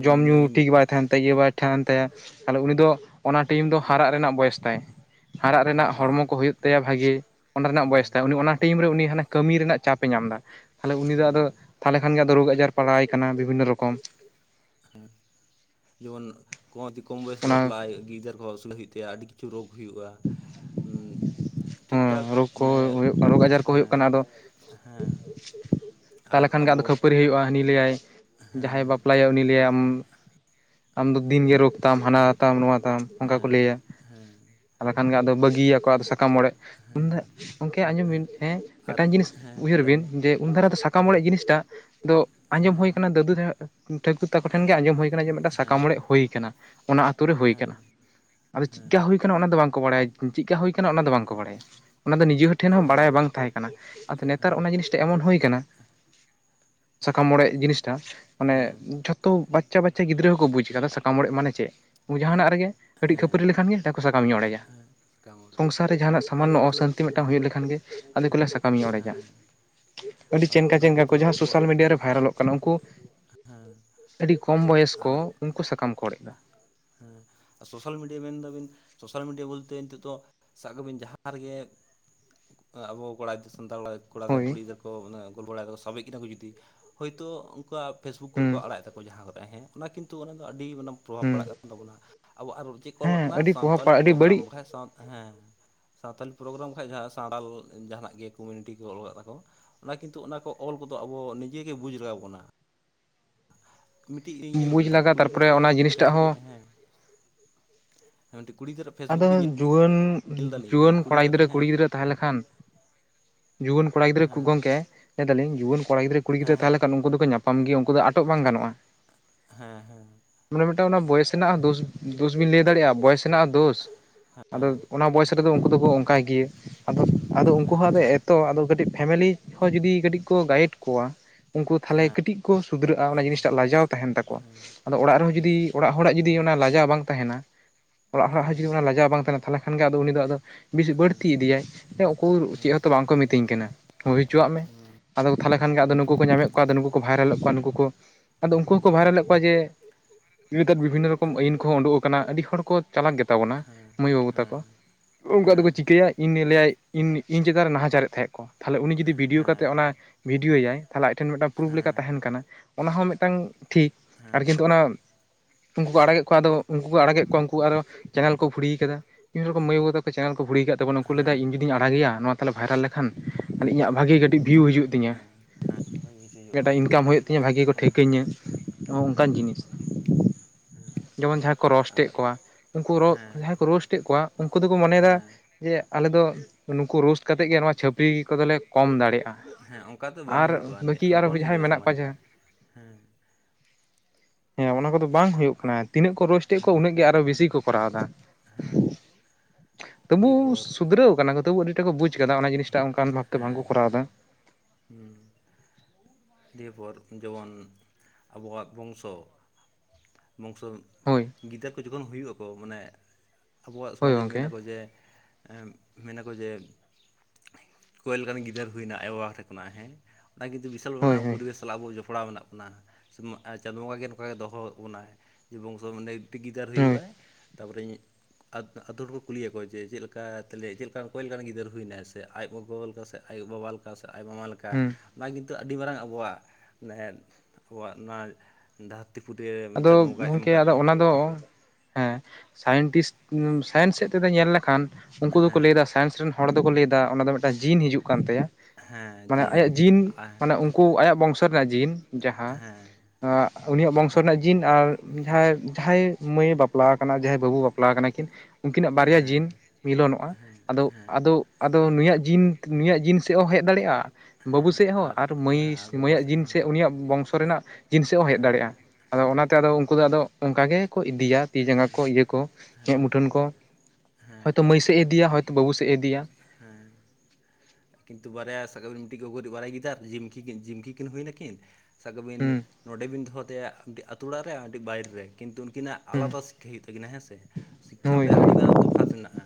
ᱦᱮᱸ ᱩᱱ ᱫᱚ ᱟᱞᱤᱧ ᱾ ᱛᱮᱜᱮ ᱵᱟᱭ ᱴᱷᱟᱶᱮᱱ ᱛᱟᱭᱟ ᱛᱟᱦᱚᱞᱮ ᱩᱱᱤ ᱫᱚ ᱚᱱᱟ ᱴᱟᱭᱤᱢ ᱫᱚ ᱦᱩᱸ ᱦᱟᱨᱟᱜ ᱨᱮᱱᱟᱜ ᱵᱚᱭᱮᱥ ᱛᱟᱭ ᱾ ᱦᱟᱨᱟᱜ ᱨᱮᱱᱟᱜ ᱦᱩᱸ ᱦᱚᱲᱢᱚ ᱠᱚ ᱦᱩᱭᱩᱜ ᱛᱟᱭᱟ ᱵᱷᱟᱜᱤ ᱚᱱᱟ ᱨᱮᱱᱟᱜ ᱦᱮᱸ ᱵᱚᱭᱮᱥ ᱛᱟᱭᱟ ᱩᱱᱤ ᱚᱱᱟ ᱴᱤᱢ ᱨᱮ ᱩᱱᱤ ᱦᱟᱱᱟ ᱠᱟᱹᱢᱤ ᱨᱮᱱᱟᱜ ᱪᱟᱯᱮ ᱧᱟᱢ ᱮᱫᱟ ᱛᱟᱦᱚᱞᱮ ᱩᱱᱤ ᱫᱚ ᱦᱮᱸ ᱟᱫᱚ ᱛᱟᱦᱚᱞᱮ ᱠᱷᱟᱱ ᱜᱮ ᱟᱫᱚ ᱨᱳᱜᱽ ᱟᱡᱟᱨ ᱯᱟᱲᱟᱣᱟᱭ ᱠᱟᱱᱟ ᱵᱤᱵᱷᱤᱱᱱᱚ ᱨᱚᱠᱚᱢ᱾ ᱦᱮᱸ ᱡᱮᱢᱚᱱ ᱠᱚ ᱠᱚᱢ ᱵᱚᱭᱮᱥ ᱨᱮ ᱚᱱᱟ ᱵᱟᱯᱞᱟᱜ ᱟᱭ ᱜᱤᱫᱟᱹᱨ ᱠᱚ ᱟᱥᱩᱞ ᱞᱟᱜᱤᱜ᱾ ᱛᱮᱭᱟᱜ ᱟᱹᱰᱤ ᱠᱤᱪᱷᱩ ᱨᱳᱜᱽ ᱦᱩᱭᱩᱜᱼᱟ ᱩ ᱦᱮᱸ ᱴᱷᱤᱠᱴᱷᱟᱠ ᱨᱳᱜᱽ ᱢᱟᱱᱮ ᱠᱚ ᱦᱩᱭᱩᱜ ᱨᱳᱜᱽ ᱟᱡᱟᱨ ᱠᱚ ᱦᱩᱭᱩᱜ ᱦᱮᱸ ᱠᱟᱱᱟ ᱟᱫᱚ ᱦᱮᱸ ᱟᱨ ᱛᱟᱦᱚᱞᱮ ᱠᱷᱟᱱ ᱜᱮ ᱟᱵᱚ ᱟᱫᱚ ᱠᱷᱟᱹᱯᱟᱹᱨᱤ ᱦᱩᱭᱩᱜᱼᱟ ᱦᱟᱹᱱᱤ ᱞᱟᱹᱭᱟᱭ ᱡᱟᱦᱟᱸᱭ ᱦᱮᱸ ᱵᱟᱯᱞᱟᱭᱟ ᱩᱱᱤ ᱞᱟᱹᱭ ᱟᱢ ᱟᱢᱫᱚ ᱫᱤᱱᱜᱮ ᱨᱳᱜᱽ ᱛᱟᱢ ᱦᱟᱱᱟ ᱦᱮᱸ ᱛᱟᱢ ᱱᱚᱣᱟ ᱛᱟᱢ ᱚᱱᱠᱟ ᱠᱚ ᱦᱮᱸ ᱞᱟᱹᱭᱟ᱾ ᱦᱮᱸ ᱛᱟᱦᱮᱞᱮ ᱠᱷᱟᱱᱜ ᱜᱮ ᱟᱫᱚ ᱵᱟᱹᱜᱤ ᱭᱟᱠᱚᱣᱟ ᱟᱫᱚ ᱥᱟᱠᱟᱢ ᱚᱲᱮᱡ ᱾ ᱦᱮᱸ ᱜᱚᱝᱠᱮ ᱟᱸᱡᱚᱢ ᱵᱤᱱ ᱦᱮᱸ ᱢᱤᱫᱴᱟᱱ ᱡᱤᱱᱤᱥ ᱦᱮᱸ ᱩᱭᱦᱟᱹᱨ ᱞᱟᱹᱭ ᱵᱤᱱ ᱡᱮ ᱩᱱ ᱫᱷᱟᱨᱟ ᱫᱚ ᱥᱟᱠᱟᱢ ᱚᱲᱮᱡ ᱦᱮᱸ ᱡᱤᱱᱤᱥ ᱴᱟᱜ ᱫᱚ ᱟᱸᱡᱚᱢ ᱦᱮᱸ ᱦᱩᱭᱩ ᱠᱟᱱᱟ ᱫᱟᱫᱩ ᱴᱟᱠᱩ ᱛᱟᱠᱚ ᱴᱷᱮᱱ ᱜᱮ ᱟᱸᱡᱚᱢ ᱦᱩᱭ ᱟᱠᱟᱱᱟ ᱡᱮ ᱢᱤᱫᱴᱟᱝ ᱥᱟᱠᱟ ᱦᱮᱸ ᱚᱲᱮᱡ ᱦᱩᱭ ᱠᱟᱱᱟ ᱚᱱᱟ ᱟᱛᱳ ᱨᱮ ᱦᱩᱭ ᱠᱟᱱᱟ᱾ ᱦᱮᱸ ᱟᱫᱚ ᱦᱮᱸ ᱪᱮᱫᱮᱠᱟ ᱦᱩᱭ ᱠᱟᱱᱟ ᱚᱱᱟ ᱫᱚ ᱵᱟᱝᱠᱚ ᱵᱟᱲᱟᱭᱟ᱾ ᱪᱤᱜᱠᱟ ᱦᱩᱭᱩ ᱠᱟᱱᱟ ᱚᱱᱟ ᱫᱚ ᱵᱟᱝᱠᱚ ᱵᱟᱲᱟᱭᱟ ᱚᱱᱟ ᱫᱚ ᱱᱤᱡᱮ ᱦᱚᱲ ᱴᱷᱮᱱ ᱦᱚᱸ ᱵᱟᱲᱟᱭ ᱦᱮᱸ ᱵᱟᱝ ᱛᱟᱦᱮᱸ ᱠᱟᱱᱟ ᱟᱫᱚ ᱱᱮᱛᱟᱨ ᱚᱱᱟ ᱡᱤᱱᱤᱥ ᱛᱮ ᱮᱢᱚᱱ ᱦᱩᱭ ᱠᱟᱱᱟ ᱥᱟᱠᱟᱢ ᱚᱲᱮ ᱡᱤᱱᱤᱥᱴᱟ ᱢᱟᱱᱮ ᱦᱮᱸ ᱡᱷᱚᱛᱚ ᱪᱟ ᱵᱟᱪᱪᱟ ᱜᱤᱫᱽᱨᱟᱹ ᱦᱚ ᱠᱚ ᱵᱩᱡᱽ ᱠᱟᱫᱟ ᱥᱟᱠᱟᱢ ᱚᱲᱮᱡ ᱢᱟᱱᱮ ᱪᱮᱫ ᱡᱟᱦᱟᱱᱟᱜ ᱨᱮᱜᱮ ᱠᱟᱹᱴᱤᱡ ᱦᱮᱸ ᱠᱷᱟᱹᱯᱟᱹᱨᱤ ᱞᱮᱠᱷᱟᱱ ᱜᱮ ᱞᱟᱹᱭ ᱟᱠᱚ ᱥᱟᱠᱟᱢ ᱤᱧ ᱚᱲᱮᱡᱟ᱾ ᱦᱮᱸ ᱥᱟᱠᱟᱢ ᱚᱲᱮᱡ ᱥᱚᱝᱥᱟᱨ ᱨᱮ ᱡᱟᱦᱟᱱᱟᱜ ᱱᱚᱣᱟ ᱥᱟᱢᱟᱱᱱᱚ ᱠᱤᱱᱛᱩ ᱚᱥᱟᱱᱛᱤ ᱢᱤᱫᱴᱟᱝ ᱦᱮᱸ ᱦᱩᱭᱩᱜ ᱞᱮᱠᱷᱟᱱ ᱜᱮ, ᱟᱫᱚ ᱠᱚ ᱞᱟᱹᱭᱟ ᱥᱟᱠᱟᱢ ᱤᱧ ᱚᱲᱮᱡᱟ ᱦᱮᱸ ᱾ ᱟᱹᱰᱤ ᱪᱮᱝᱠᱟ ᱱᱚᱣᱟ ᱪᱮᱝᱠᱟ ᱠᱚ ᱠᱤᱱᱛᱩ ᱡᱟᱦᱟᱸ ᱟᱵᱚᱣᱟᱜ ᱥᱳᱥᱟᱞ ᱢᱤᱰᱤᱭᱟ ᱨᱮ ᱦᱮᱸ ᱵᱷᱟᱭᱨᱟᱞᱚᱜ ᱠᱟᱱᱟ ᱩᱱᱠᱩ ᱟᱹᱰᱤ ᱠᱚᱢ ᱵᱚᱭᱚᱥ ᱠᱚ ᱟᱨ ᱩᱱᱠᱩ ᱥᱟᱠᱟᱢ ᱠᱚ ᱚᱲᱮᱡ ᱮᱫᱟ ᱾ ᱦᱮᱸ ᱟᱨ ᱥᱳᱥᱟᱞ ᱢᱤᱰᱤᱭᱟ ᱢᱮᱱ ᱮᱫᱟᱵᱤᱱ ᱥᱳᱥᱟᱞ ᱢᱤᱰᱤᱭᱟ ᱵᱚᱞᱛᱮ ᱱᱤᱛᱳᱜ ᱫᱚ ᱥᱟᱵ ᱠᱟᱜ ᱵᱤᱱ ᱡᱟᱦᱟᱸ ᱨᱮᱜᱮ ᱟᱵᱚ ᱠᱚᱲᱟ ᱥᱟᱱᱛᱟᱲ ᱠᱚᱲᱟ ᱜᱤᱫᱨᱟᱹ ᱦᱳᱭ ᱠᱩᱲᱤ ᱜᱤᱫᱽᱨᱟᱹ ᱠᱚ ᱚᱱᱟ ᱜᱚᱞ ᱵᱟᱲᱟᱭᱟ ᱠᱚ ᱥᱟᱵᱮᱜ ᱠᱤᱱᱟ ᱠᱚ ᱡᱩᱫᱤ ᱦᱳᱭ ᱛᱚ ᱩᱱᱠᱩᱣᱟᱜ ᱯᱷᱮᱥᱵᱩᱠ ᱠᱚᱨᱮ ᱠᱚ ᱦᱩᱸ ᱟᱲᱟᱜᱮᱫ ᱛᱟᱠᱚᱣᱟ ᱡᱟᱦᱟᱸ ᱠᱚᱨᱮ ᱦᱮᱸ ᱚᱱᱟ ᱠᱤᱱᱛᱩ ᱚᱱᱟ ᱫᱚ ᱟᱹᱰᱤ ᱢᱟᱱᱮ ᱯᱨᱚᱵᱷᱟᱵᱽ ᱦᱩᱸ ᱯᱟᱲᱟᱜ ᱠᱟᱱ ᱛᱟᱵᱚᱱᱟ ᱾ ᱟᱵᱚ ᱟᱨ ᱪᱮᱫ ᱚᱞ ᱠᱟᱝ ᱦᱮᱸ ᱠᱟᱱᱟ ᱟᱹᱰᱤ ᱯᱨᱚᱵᱷᱟᱵᱽ ᱥᱟᱱᱛᱟᱞᱤ ᱯᱟᱲᱟᱜ ᱟᱹᱰᱤ ᱯᱨᱳᱜᱨᱟᱢ ᱵᱟᱹᱲᱤᱡ ᱵᱟᱠᱷᱟᱡ ᱥᱟᱣ ᱦᱮᱸ ᱦᱮᱸ ᱥᱟᱱᱛᱟᱞᱤ ᱯᱨᱳᱜᱨᱟᱢ ᱵᱟᱠᱷᱡ ᱡᱟᱦᱟᱸ ᱥᱟᱛᱟᱞ ᱡᱟᱦᱱᱟᱜ ᱜᱮ ᱠᱚᱢᱤᱱᱤᱴᱤ ᱠᱚ ᱚᱞ ᱠᱟᱫ ᱛᱟᱠᱚ ᱚᱱᱟ ᱠᱤᱱᱛᱩ ᱚᱱᱟ ᱠᱚ ᱚᱞ ᱠᱚᱫᱚ ᱟᱵᱚ ᱱᱤᱡᱮᱜ ᱜᱮ ᱵᱩᱡᱽ ᱞᱟᱜᱟᱣ ᱟᱵᱚᱱᱟ ᱾ ᱢᱤᱫᱴᱤᱡ ᱤᱧ ᱧᱮᱞ ᱫᱟᱹᱧ ᱵᱩᱡᱽ ᱦᱮᱸ ᱞᱟᱜᱟ ᱠᱩᱲᱤ ᱛᱟᱨᱯᱚᱨᱮ ᱜᱤᱫᱽᱨᱟᱹ ᱮ ᱚᱱᱟ ᱡᱤᱱᱤᱥᱴᱟᱜ ᱯᱷᱮᱥᱵᱩᱠ ᱨᱮ ᱦᱚᱸ ᱦᱮ ᱦᱮ ᱢᱤᱫᱴᱮᱱ ᱠᱩᱲ ᱜᱤᱫᱽᱨᱟᱹ ᱯᱷᱮᱥᱵᱩᱠ ᱟᱫᱚ ᱨᱮᱧ ᱧᱮ ᱡᱩᱣᱟᱹᱱ ᱡᱩᱣᱟᱹᱱ ᱠᱚᱲᱟ ᱜᱤᱫᱽᱨᱟᱹ ᱦᱮᱸ ᱠᱩᱲᱤ ᱜᱤᱫᱽᱨᱟᱹ ᱛᱟᱦᱮᱸ ᱞᱮᱠᱷᱟᱱ, ᱡᱩᱣᱟᱹᱱ ᱠᱚᱲᱟ ᱜᱤᱫᱽᱨᱟᱹ ᱦᱮᱸ ᱜᱚᱝᱠᱮ ᱞᱟᱹᱭ ᱮᱫᱟᱞᱤᱧ ᱡᱩᱣᱟᱹᱱ ᱠᱚᱲᱟ ᱜᱤᱫᱽᱨᱟᱹ ᱠᱩᱲᱤ ᱜᱤᱫᱽᱨᱟᱹ ᱦᱮᱸ ᱛᱟᱦᱮᱸ ᱠᱟᱱ ᱩᱱᱠᱩ ᱫᱚᱠᱚ ᱧᱟᱯᱟᱢ ᱜᱮᱭᱟ ᱩᱱᱠᱩ ᱫᱚ ᱟᱴᱚᱜ ᱵᱟᱝ ᱜᱟᱱᱚᱜᱼᱟ ᱾ ᱦᱮᱸ ᱦᱮᱸ ᱢᱟᱱᱮ ᱢᱤᱫᱴᱟᱝ ᱚᱱᱟ ᱵᱚᱭᱮᱥ ᱨᱮᱱᱟᱜ ᱦᱚᱸ ᱫᱳᱥ ᱫᱳᱥ ᱵᱤᱱ ᱞᱟᱹᱭ ᱫᱟᱲᱮᱭᱟᱜᱼᱟ ᱾ ᱵᱚᱭᱮᱥ ᱨᱮᱱᱟᱜ ᱫᱳ ᱟᱫᱚ ᱚᱱᱟ ᱵᱚᱭᱮᱥ ᱨᱮᱫᱚ ᱩᱱᱠᱩ ᱫᱚᱠᱚ ᱚᱱᱠᱟᱭ ᱜᱮᱭᱟ᱾ ᱟᱫᱚ ᱟᱫᱚ ᱩᱱᱠᱩ ᱦᱚ ᱦᱮᱸ ᱮᱯ ᱛᱚ ᱟᱫᱚ ᱠᱟᱹᱴᱤᱡ ᱯᱷᱮᱢᱮᱞᱤ ᱦᱚᱸ ᱡᱩᱫᱤ ᱠᱟᱴᱤᱡ ᱜᱟᱭᱤᱰ ᱠᱚᱣᱟ, ᱩᱱᱠᱩ ᱛᱟᱦᱚᱞᱮ ᱠᱟᱹᱴᱤᱡ ᱠᱳ ᱥᱩᱫᱷᱨᱟᱹᱜᱼᱟ ᱚᱱᱟ ᱡᱤᱱᱤᱥᱴᱟᱜ ᱞᱟᱡᱟᱣ ᱛᱟᱦᱮᱱ ᱛᱟᱠᱚᱣᱟ᱾ ᱦᱮᱸ ᱟᱫᱚ ᱚᱲᱟᱜ ᱨᱮᱦᱚᱸ ᱡᱩᱫᱤ ᱦᱮᱸ ᱚᱲᱟᱜ ᱦᱚᱲᱟᱜ ᱦᱚ ᱡᱩᱫᱤ ᱦᱮᱸ ᱚᱱᱟ ᱞᱟᱡᱟᱣ ᱵᱟᱝ ᱛᱟᱦᱮᱱᱟ ᱚᱲᱟᱜ ᱦᱚᱲᱟᱜ ᱦᱚᱸ ᱡᱩᱫᱤ ᱦᱮᱸ ᱚᱱᱟ ᱞᱟᱡᱟᱣ ᱵᱟᱝ ᱛᱟᱦᱮᱱᱟ, ᱛᱟᱦᱚᱞᱮ ᱠᱷᱟᱱ ᱜᱮ ᱟᱫᱚ ᱩᱱᱤ ᱫᱚ ᱟᱫᱚ ᱵᱤᱥᱤ ᱵᱟᱹᱲᱛᱤ ᱤᱫᱤᱭᱟᱭ ᱩᱠᱩᱨ ᱪᱮᱫ ᱦᱮᱸ ᱦᱚᱸᱛᱚ ᱵᱟᱝᱠᱚ ᱢᱤᱛᱟᱹᱧ ᱠᱟᱱᱟ ᱦᱩᱭ ᱪᱚᱣᱟᱜ ᱢᱮ᱾ ᱟᱫᱚ ᱛᱟᱦᱚᱞᱮ ᱠᱷᱟᱱ ᱜᱮ ᱟᱫᱚ ᱱᱩᱠᱩ ᱠᱚ ᱧᱟᱢᱮᱫ ᱠᱚᱣᱟ ᱟᱫᱚ ᱱᱩᱠᱩ ᱠᱚ ᱵᱷᱟᱭᱨᱟᱞᱮᱫ ᱠᱚᱣᱟ ᱱᱩᱠᱩ ᱠᱚ ᱟᱫᱚ ᱩᱱᱠᱩ ᱦᱮᱸ ᱦᱚᱸᱠᱚ ᱵᱷᱟᱭᱨᱟᱞᱮᱫ ᱠᱚᱣᱟ ᱡᱮ ᱵᱤᱵᱤᱛᱟᱨ ᱵᱤᱵᱷᱤᱱᱱᱚ ᱨᱚᱠᱚᱢ ᱟᱹᱭᱤᱱ ᱦᱮᱸ ᱠᱚ ᱩᱰᱩᱠ ᱠᱟᱱᱟ ᱾ ᱟᱹᱰᱤ ᱦᱚᱲ ᱠᱚ ᱪᱟᱞᱟᱠ ᱜᱮᱛ ᱛᱟᱵᱚᱱᱟ ᱦᱮᱸ ᱢᱟᱹᱭ ᱵᱟᱹᱵᱩ ᱛᱟᱠᱚ ᱾ ᱩᱱᱠᱩ ᱟᱫᱚ ᱠᱚ ᱦᱮᱸ ᱪᱤᱠᱟᱹᱭᱟ ᱤᱧ ᱫᱩᱧ ᱞᱟᱹᱭᱟᱭ ᱤᱧ ᱤᱧ ᱪᱮᱛᱟᱱ ᱨᱮ ᱱᱟᱦᱟᱪᱟᱨᱮᱫ ᱛᱟᱦᱮᱸᱫ ᱠᱚ᱾ ᱛᱟᱦᱞᱚᱞᱮ ᱩᱱᱤ ᱡᱩᱫᱤ ᱵᱷᱤᱰᱭᱳ ᱦᱮᱸ ᱠᱟᱛᱮᱫ ᱚᱱᱟ ᱵᱷᱤᱰᱭᱳᱟᱭ ᱛᱟᱦᱞᱮ ᱟᱡ ᱴᱮᱱ ᱢᱤᱫᱴᱟᱝ ᱯᱨᱩᱯᱷ ᱞᱮᱠᱟ ᱦᱮᱸ ᱛᱟᱦᱮᱱ ᱠᱟᱱᱟ᱾ ᱚᱱᱟ ᱦᱚᱸ ᱢᱤᱫᱴᱟᱝ ᱴᱷᱤᱠ ᱟᱨ ᱦᱮᱸ ᱠᱤᱱᱛᱩ ᱚᱱᱟ ᱩᱱᱠᱩ ᱠᱚ ᱟᱲᱟᱜᱮᱫ ᱠᱚᱣᱟ ᱟᱫᱚ ᱩᱱᱠᱩ ᱠᱚ ᱟᱲᱟᱜᱮᱫ ᱠᱚᱣᱟ ᱩᱱᱠᱩ ᱟᱨᱚ ᱪᱮᱱᱮᱞ ᱠᱚ ᱵᱷᱩᱲᱤᱭ ᱠᱟᱫᱟ᱾ ᱵᱤᱵᱷᱱᱱᱚ ᱨᱚᱠᱚᱢ ᱢᱟᱹᱭ ᱵᱟᱹᱵᱟ ᱛᱟᱠᱚ ᱪᱮᱱᱮᱞ ᱠᱚ ᱵᱷᱩᱲᱤᱭ ᱠᱟᱫ ᱛᱟᱵᱚᱱᱟ ᱱᱟᱠᱩ ᱞᱟᱹᱭᱫᱟ ᱦᱮᱸ ᱤᱧ ᱡᱩᱫᱤᱧ ᱟᱲᱟᱜᱮᱭᱟ, ᱱᱚᱣᱟ ᱛᱟᱦᱚᱞᱮ ᱵᱷᱟᱭᱨᱟᱞ ᱞᱮᱠᱷᱟᱱ ᱢᱟᱱᱮ ᱤᱧᱟᱹᱜ ᱵᱷᱟᱜᱮ ᱦᱮᱸ ᱠᱟᱹᱴᱤᱡ ᱵᱷᱤᱭᱩ ᱦᱤᱡᱩᱜ ᱛᱤᱧᱟ᱾ ᱜᱤᱡᱩᱜᱚᱜᱼᱟ ᱢᱤᱫᱴᱟᱝ ᱤᱱᱠᱟᱢ ᱦᱩᱭᱩᱜ ᱛᱤᱧᱟ ᱵᱷᱟᱹᱜᱮ ᱠᱚ ᱦᱮᱸ ᱴᱷᱟᱹᱤᱠᱟᱹᱧᱟᱹ ᱱᱚᱜ-ᱚᱱᱚᱝᱠᱟᱱ ᱦᱮᱸ ᱡᱤᱱᱤᱥ᱾ ᱦᱮᱸ ᱡᱮᱢᱚᱱ ᱡᱟᱦᱟᱸᱭ ᱠᱚ ᱨᱚᱥᱴᱮᱫ ᱟᱨ ᱠᱚᱣᱟ᱾ ᱩᱱᱠᱩ ᱨᱚ ᱦᱮᱸ ᱡᱟᱦᱟᱸ ᱠᱚ ᱨᱳᱥᱴᱮᱫ ᱠᱚᱣᱟ ᱩᱱᱠᱩ ᱫᱚᱠᱚ ᱢᱚᱱᱮᱭᱫᱟ ᱦᱮᱸ ᱡᱮ ᱟᱞᱮ ᱫᱚ ᱱᱩᱠᱩ ᱨᱳᱥᱴ ᱠᱟᱛᱮᱜ ᱜᱮ ᱱᱚᱣᱟ ᱪᱷᱟᱹᱯ ᱨᱤ ᱠᱚᱫᱚ ᱞᱮ ᱠᱚᱢ ᱫᱟᱲᱮᱭᱟᱜᱼᱟ᱾ ᱦᱮᱸ ᱚᱱᱠᱟ ᱫᱚ ᱵᱟᱝ ᱟᱨ ᱦᱩᱭᱩᱜᱼᱟ ᱵᱟᱠᱤ ᱟᱨᱚ ᱠᱚ ᱟᱬᱜᱚᱱ ᱡᱟᱦᱟᱸᱭ ᱦᱩᱭᱩᱜᱼᱟ ᱢᱮᱱᱟᱜ ᱥᱚᱢᱟᱡᱽ ᱠᱚᱣᱟ ᱨᱮ ᱡᱟᱦᱟᱭ᱾ ᱦᱮᱸ᱾ ᱦᱮᱸ ᱚᱱᱟ ᱠᱚᱫᱚ ᱵᱟᱝ ᱦᱩᱭᱩᱜ ᱠᱟᱱᱟ, ᱛᱤᱱᱟᱹᱜ ᱠᱚ ᱨᱳᱥᱴ ᱮᱫ ᱠᱚᱣᱟ ᱩᱱᱟᱹᱜ ᱜᱮ ᱟᱨᱚ ᱵᱤᱥᱤ ᱠᱚ ᱠᱚᱨᱟᱣᱫᱟ᱾ ᱛᱩᱵᱩ ᱫᱤᱭᱮᱯᱚᱨ ᱥᱩᱫᱷᱨᱟᱹᱣ ᱠᱟᱱᱟ ᱠᱚ ᱛᱩᱵᱩ ᱟᱹᱰᱤ ᱴᱟ ᱠᱚ ᱵᱩᱡ ᱠᱟᱫᱟ ᱚᱱᱟ ᱡᱤᱱᱤᱥ ᱴᱟᱜ ᱚᱱᱠᱟᱱ ᱵᱷᱟᱵᱽ ᱛᱮ ᱵᱟᱝ ᱠᱚᱨᱟᱣᱫᱟ᱾ ᱦᱮᱸ᱾ ᱫᱤᱭᱮᱯᱚᱨ ᱡᱮᱢᱚᱱ ᱟᱵᱚᱣᱟᱜ ᱵᱚᱝᱥᱚ, ᱵᱚᱝᱥᱚ ᱦᱳᱭ᱾ ᱜᱤᱫᱽᱟᱹᱨ ᱠᱚ ᱡᱚᱠᱷᱚᱱ ᱦᱩᱭᱩᱜ ᱟᱠᱚ, ᱢᱟᱱᱮ ᱟᱵᱚᱣᱟᱜ ᱦᱳᱭ ᱥᱚᱢᱟᱡᱽ ᱨᱮ ᱢᱮᱱ ᱜᱚᱝᱠᱮ ᱟᱠᱚ ᱡᱮ ᱮᱸ, ᱢᱮᱱ ᱟᱠᱚ ᱡᱮ ᱚᱠᱚᱭ ᱞᱮᱠᱟᱱ ᱜᱤᱫᱟᱹᱨ ᱦᱩᱭᱱᱟ ᱟᱭᱳ ᱵᱟᱵᱟ ᱴᱷᱮᱡ ᱠᱷᱚᱱᱟᱜ ᱦᱮᱸ, ᱚᱱᱟ ᱠᱤᱱᱛᱩ ᱵᱤᱥᱟᱞ ᱦᱳᱭ ᱚᱱᱟ ᱦᱳᱭ ᱯᱚᱨᱤᱵᱮᱥ ᱥᱟᱞᱟᱜ ᱟᱵᱚ ᱡᱚᱯᱲᱟᱣ ᱢᱮᱱᱟᱜ ᱵᱚᱱᱟ᱾ ᱥᱮ ᱢᱟ ᱮ ᱪᱟᱸᱫᱳ ᱵᱚᱸᱜᱟ ᱜᱮ ᱱᱚᱝᱠᱟᱭ ᱜᱮ ᱱᱚᱠᱟᱭ ᱫᱚᱦᱚ ᱠᱟᱫ ᱵᱚᱱᱟᱭ ᱡᱮ ᱵᱚᱝᱥᱚ ᱢᱟᱱᱮ ᱴᱤ ᱜᱤᱫᱟᱹᱨ ᱦᱳᱭ ᱦᱩᱭᱩᱜ-ᱟᱭ᱾ ᱛᱟᱯᱚᱨᱮ ᱟᱛ ᱟᱛᱳ ᱦᱚᱲ ᱠᱚ ᱠᱩᱞᱤᱭᱟᱠᱚ ᱡᱮ ᱪᱮᱫ ᱞᱮᱠᱟ ᱛᱟᱦᱞᱮ ᱪᱮᱫ ᱞᱮᱠᱟ ᱚᱠᱚᱭ ᱞᱮᱠᱟᱱ ᱜᱤᱫᱟᱹᱨ ᱦᱩᱭᱱᱟᱭ ᱥᱮ ᱟᱡ ᱜᱚᱜᱚ ᱞᱮᱠᱟ ᱥᱮ ᱟᱡ ᱵᱟᱵᱟ ᱞᱮᱠᱟ ᱥᱮ ᱟᱡ ᱢᱟᱢᱟ ᱞᱮᱠᱟ? ᱠᱟ ᱦᱩᱸ ᱵᱟᱝ ᱠᱤᱱᱛᱩ ᱟᱹᱰᱤ ᱢᱟᱨᱟᱝ ᱟᱵᱚᱣᱟ ᱟᱵᱚᱣᱟᱜ ᱱᱚᱣᱟ ᱫᱷᱟ ᱛᱤ ᱯᱷᱩᱴᱮ ᱪᱟᱸᱫᱳ ᱟᱫᱚ ᱵᱚᱸᱜᱟᱭ ᱮᱢ ᱜᱚᱝᱠᱮ ᱟᱠᱟᱫ ᱟᱫᱚ ᱚᱱᱟ ᱵᱚᱱᱟᱭ᱾ ᱫᱚ ᱦᱮᱸ ᱥᱟᱭᱮᱱᱴᱤᱥᱴ ᱥᱟᱭᱮᱱᱥ ᱥᱮᱫ ᱛᱮᱫᱚ ᱧᱮᱞ ᱞᱮᱠᱷᱟᱱ ᱩᱱᱠᱩ ᱫᱚᱠᱚ ᱦᱮᱸ ᱞᱟᱹᱭᱮᱫᱴᱫᱟ ᱥᱟᱭᱮᱱᱥ ᱨᱮᱱ ᱦᱚᱲ ᱫᱚᱠᱚ ᱞᱟᱹᱭᱫᱟ ᱚᱱᱟ ᱫᱚ ᱢᱤᱫᱴᱮᱱ ᱡᱤᱱ ᱦᱤᱡᱩᱜ ᱠᱟᱱ ᱛᱟᱭᱟ᱾ ᱢᱟᱱᱮ ᱟᱭᱟᱜ ᱡᱤᱱ ᱦᱮᱸ ᱢᱟᱱᱮ ᱩᱝ ᱠᱩ ᱟᱭᱟᱜ ᱵᱚᱝᱥᱚ ᱨᱮᱱᱟᱜ ᱡᱤᱱ ᱡᱟᱦᱟᱸ ᱦᱮᱸ ᱟ ᱩᱱᱤᱭᱟᱜ ᱵᱚᱝᱥᱚ ᱠᱚᱨᱮᱱᱟᱜ ᱡᱤᱱ ᱟᱨ ᱡᱟᱦᱟᱸᱭ ᱡᱟᱦᱟᱸᱭ ᱢᱟᱹᱭ ᱵᱟᱯᱞᱟ ᱠᱟᱱᱟ ᱡᱟᱦᱟᱸᱭ ᱵᱟᱹᱵᱩ ᱵᱟᱯᱞᱟ ᱠᱟᱱᱟ ᱠᱤᱱ ᱩᱱᱠᱤᱱᱟᱜ ᱵᱟᱨᱭᱟ ᱦᱮᱸ ᱡᱤᱱ ᱢᱤᱞᱚᱱᱚᱜ-ᱟ ᱦᱮᱸ ᱟᱫᱚ ᱦᱮᱸ ᱟᱫᱚ ᱟᱫᱚ ᱱᱩᱭᱟᱜ ᱡᱤᱱ ᱱᱩᱭᱟᱜ ᱡᱤᱱ ᱥᱮᱫ ᱦᱚᱸ ᱦᱮᱡ ᱫᱟᱲᱮᱭᱟᱜ-ᱟ ᱵᱟᱹᱵᱩ ᱦᱮᱸ ᱥᱮᱫ ᱦᱚᱸ ᱟᱨ ᱦᱮᱸ ᱢᱟᱹᱭ ᱟᱨ ᱜᱚᱜᱚ ᱢᱟᱹᱭᱟᱜ ᱡᱤᱱ ᱦᱚᱸ ᱥᱮᱫ ᱩᱱᱤᱭᱟᱜ ᱵᱚᱝᱥᱚ ᱨᱮᱱᱟᱜ ᱡᱤᱱᱤᱥᱮᱜ ᱦᱚᱸ ᱦᱮᱡ ᱦᱮᱸ ᱫᱟᱲᱮᱜ-ᱟ, ᱟᱫᱚ ᱦᱮᱸ ᱚᱱᱟᱛᱮ ᱟᱫᱚ ᱩᱱᱠᱩ ᱫᱚ ᱟᱫᱚ ᱚᱱᱠᱟ ᱜᱮ ᱠᱚ ᱤᱫᱤᱭᱟ ᱛᱤ ᱡᱟᱸᱜᱟ ᱦᱮᱸ ᱠᱚ ᱤᱭᱟᱹ ᱠᱚ ᱢᱮᱫ ᱢᱩᱴᱷᱟᱹᱱ ᱠᱚ᱾ ᱦᱚᱭᱛᱳ ᱢᱟᱹᱭ ᱥᱮᱡ-ᱮ ᱤᱫᱤᱭᱟ ᱦᱚᱭᱛᱚ ᱵᱵᱩ ᱥᱮᱡ ᱤᱫᱤᱭᱟ᱾ ᱦᱮᱸ᱾ ᱠᱤᱱᱛᱩ ᱵᱟᱨᱭᱟ ᱥᱟᱜ ᱵᱤᱱ ᱢᱤᱫᱴᱤᱡ ᱜᱚᱜᱚ ᱨᱤᱡ ᱵᱟᱨᱟᱭᱟ ᱜᱤᱫᱟᱹᱨ ᱡᱤᱢᱠᱤ ᱠᱤᱱ ᱡᱤᱢᱠᱤᱱ ᱦᱩᱭᱱᱟᱠᱤᱱ ᱥᱟᱜ ᱵᱤᱱ ᱦᱩᱸ ᱱᱚᱸᱰᱮ ᱵᱤᱱ ᱫᱚᱦᱚ ᱛᱮᱭᱟ ᱢᱤᱫᱴ ᱟᱹᱛᱩ ᱚᱲᱟᱜ ᱨᱮ ᱟᱨ ᱢᱤᱫᱴᱤᱡ ᱵᱟᱭᱨᱮ ᱨᱮ᱾ ᱠᱤᱱᱛᱩ ᱩᱱᱠᱤᱱᱟᱜ ᱦᱩᱸ ᱟᱞᱟᱫᱟ ᱫᱷᱤ ᱦᱩᱭᱩᱜ ᱛᱟᱹᱠᱤᱱᱟ ᱦᱮᱸ ᱥᱮ ᱥᱤᱠᱠᱷᱟ ᱦᱳᱭ ᱚᱸᱰᱮ ᱦᱳᱭ ᱟᱹᱰᱤ ᱢᱟᱨᱟᱝ ᱛᱚᱯᱷᱟᱛ ᱢᱮᱱᱟᱜ-ᱟ᱾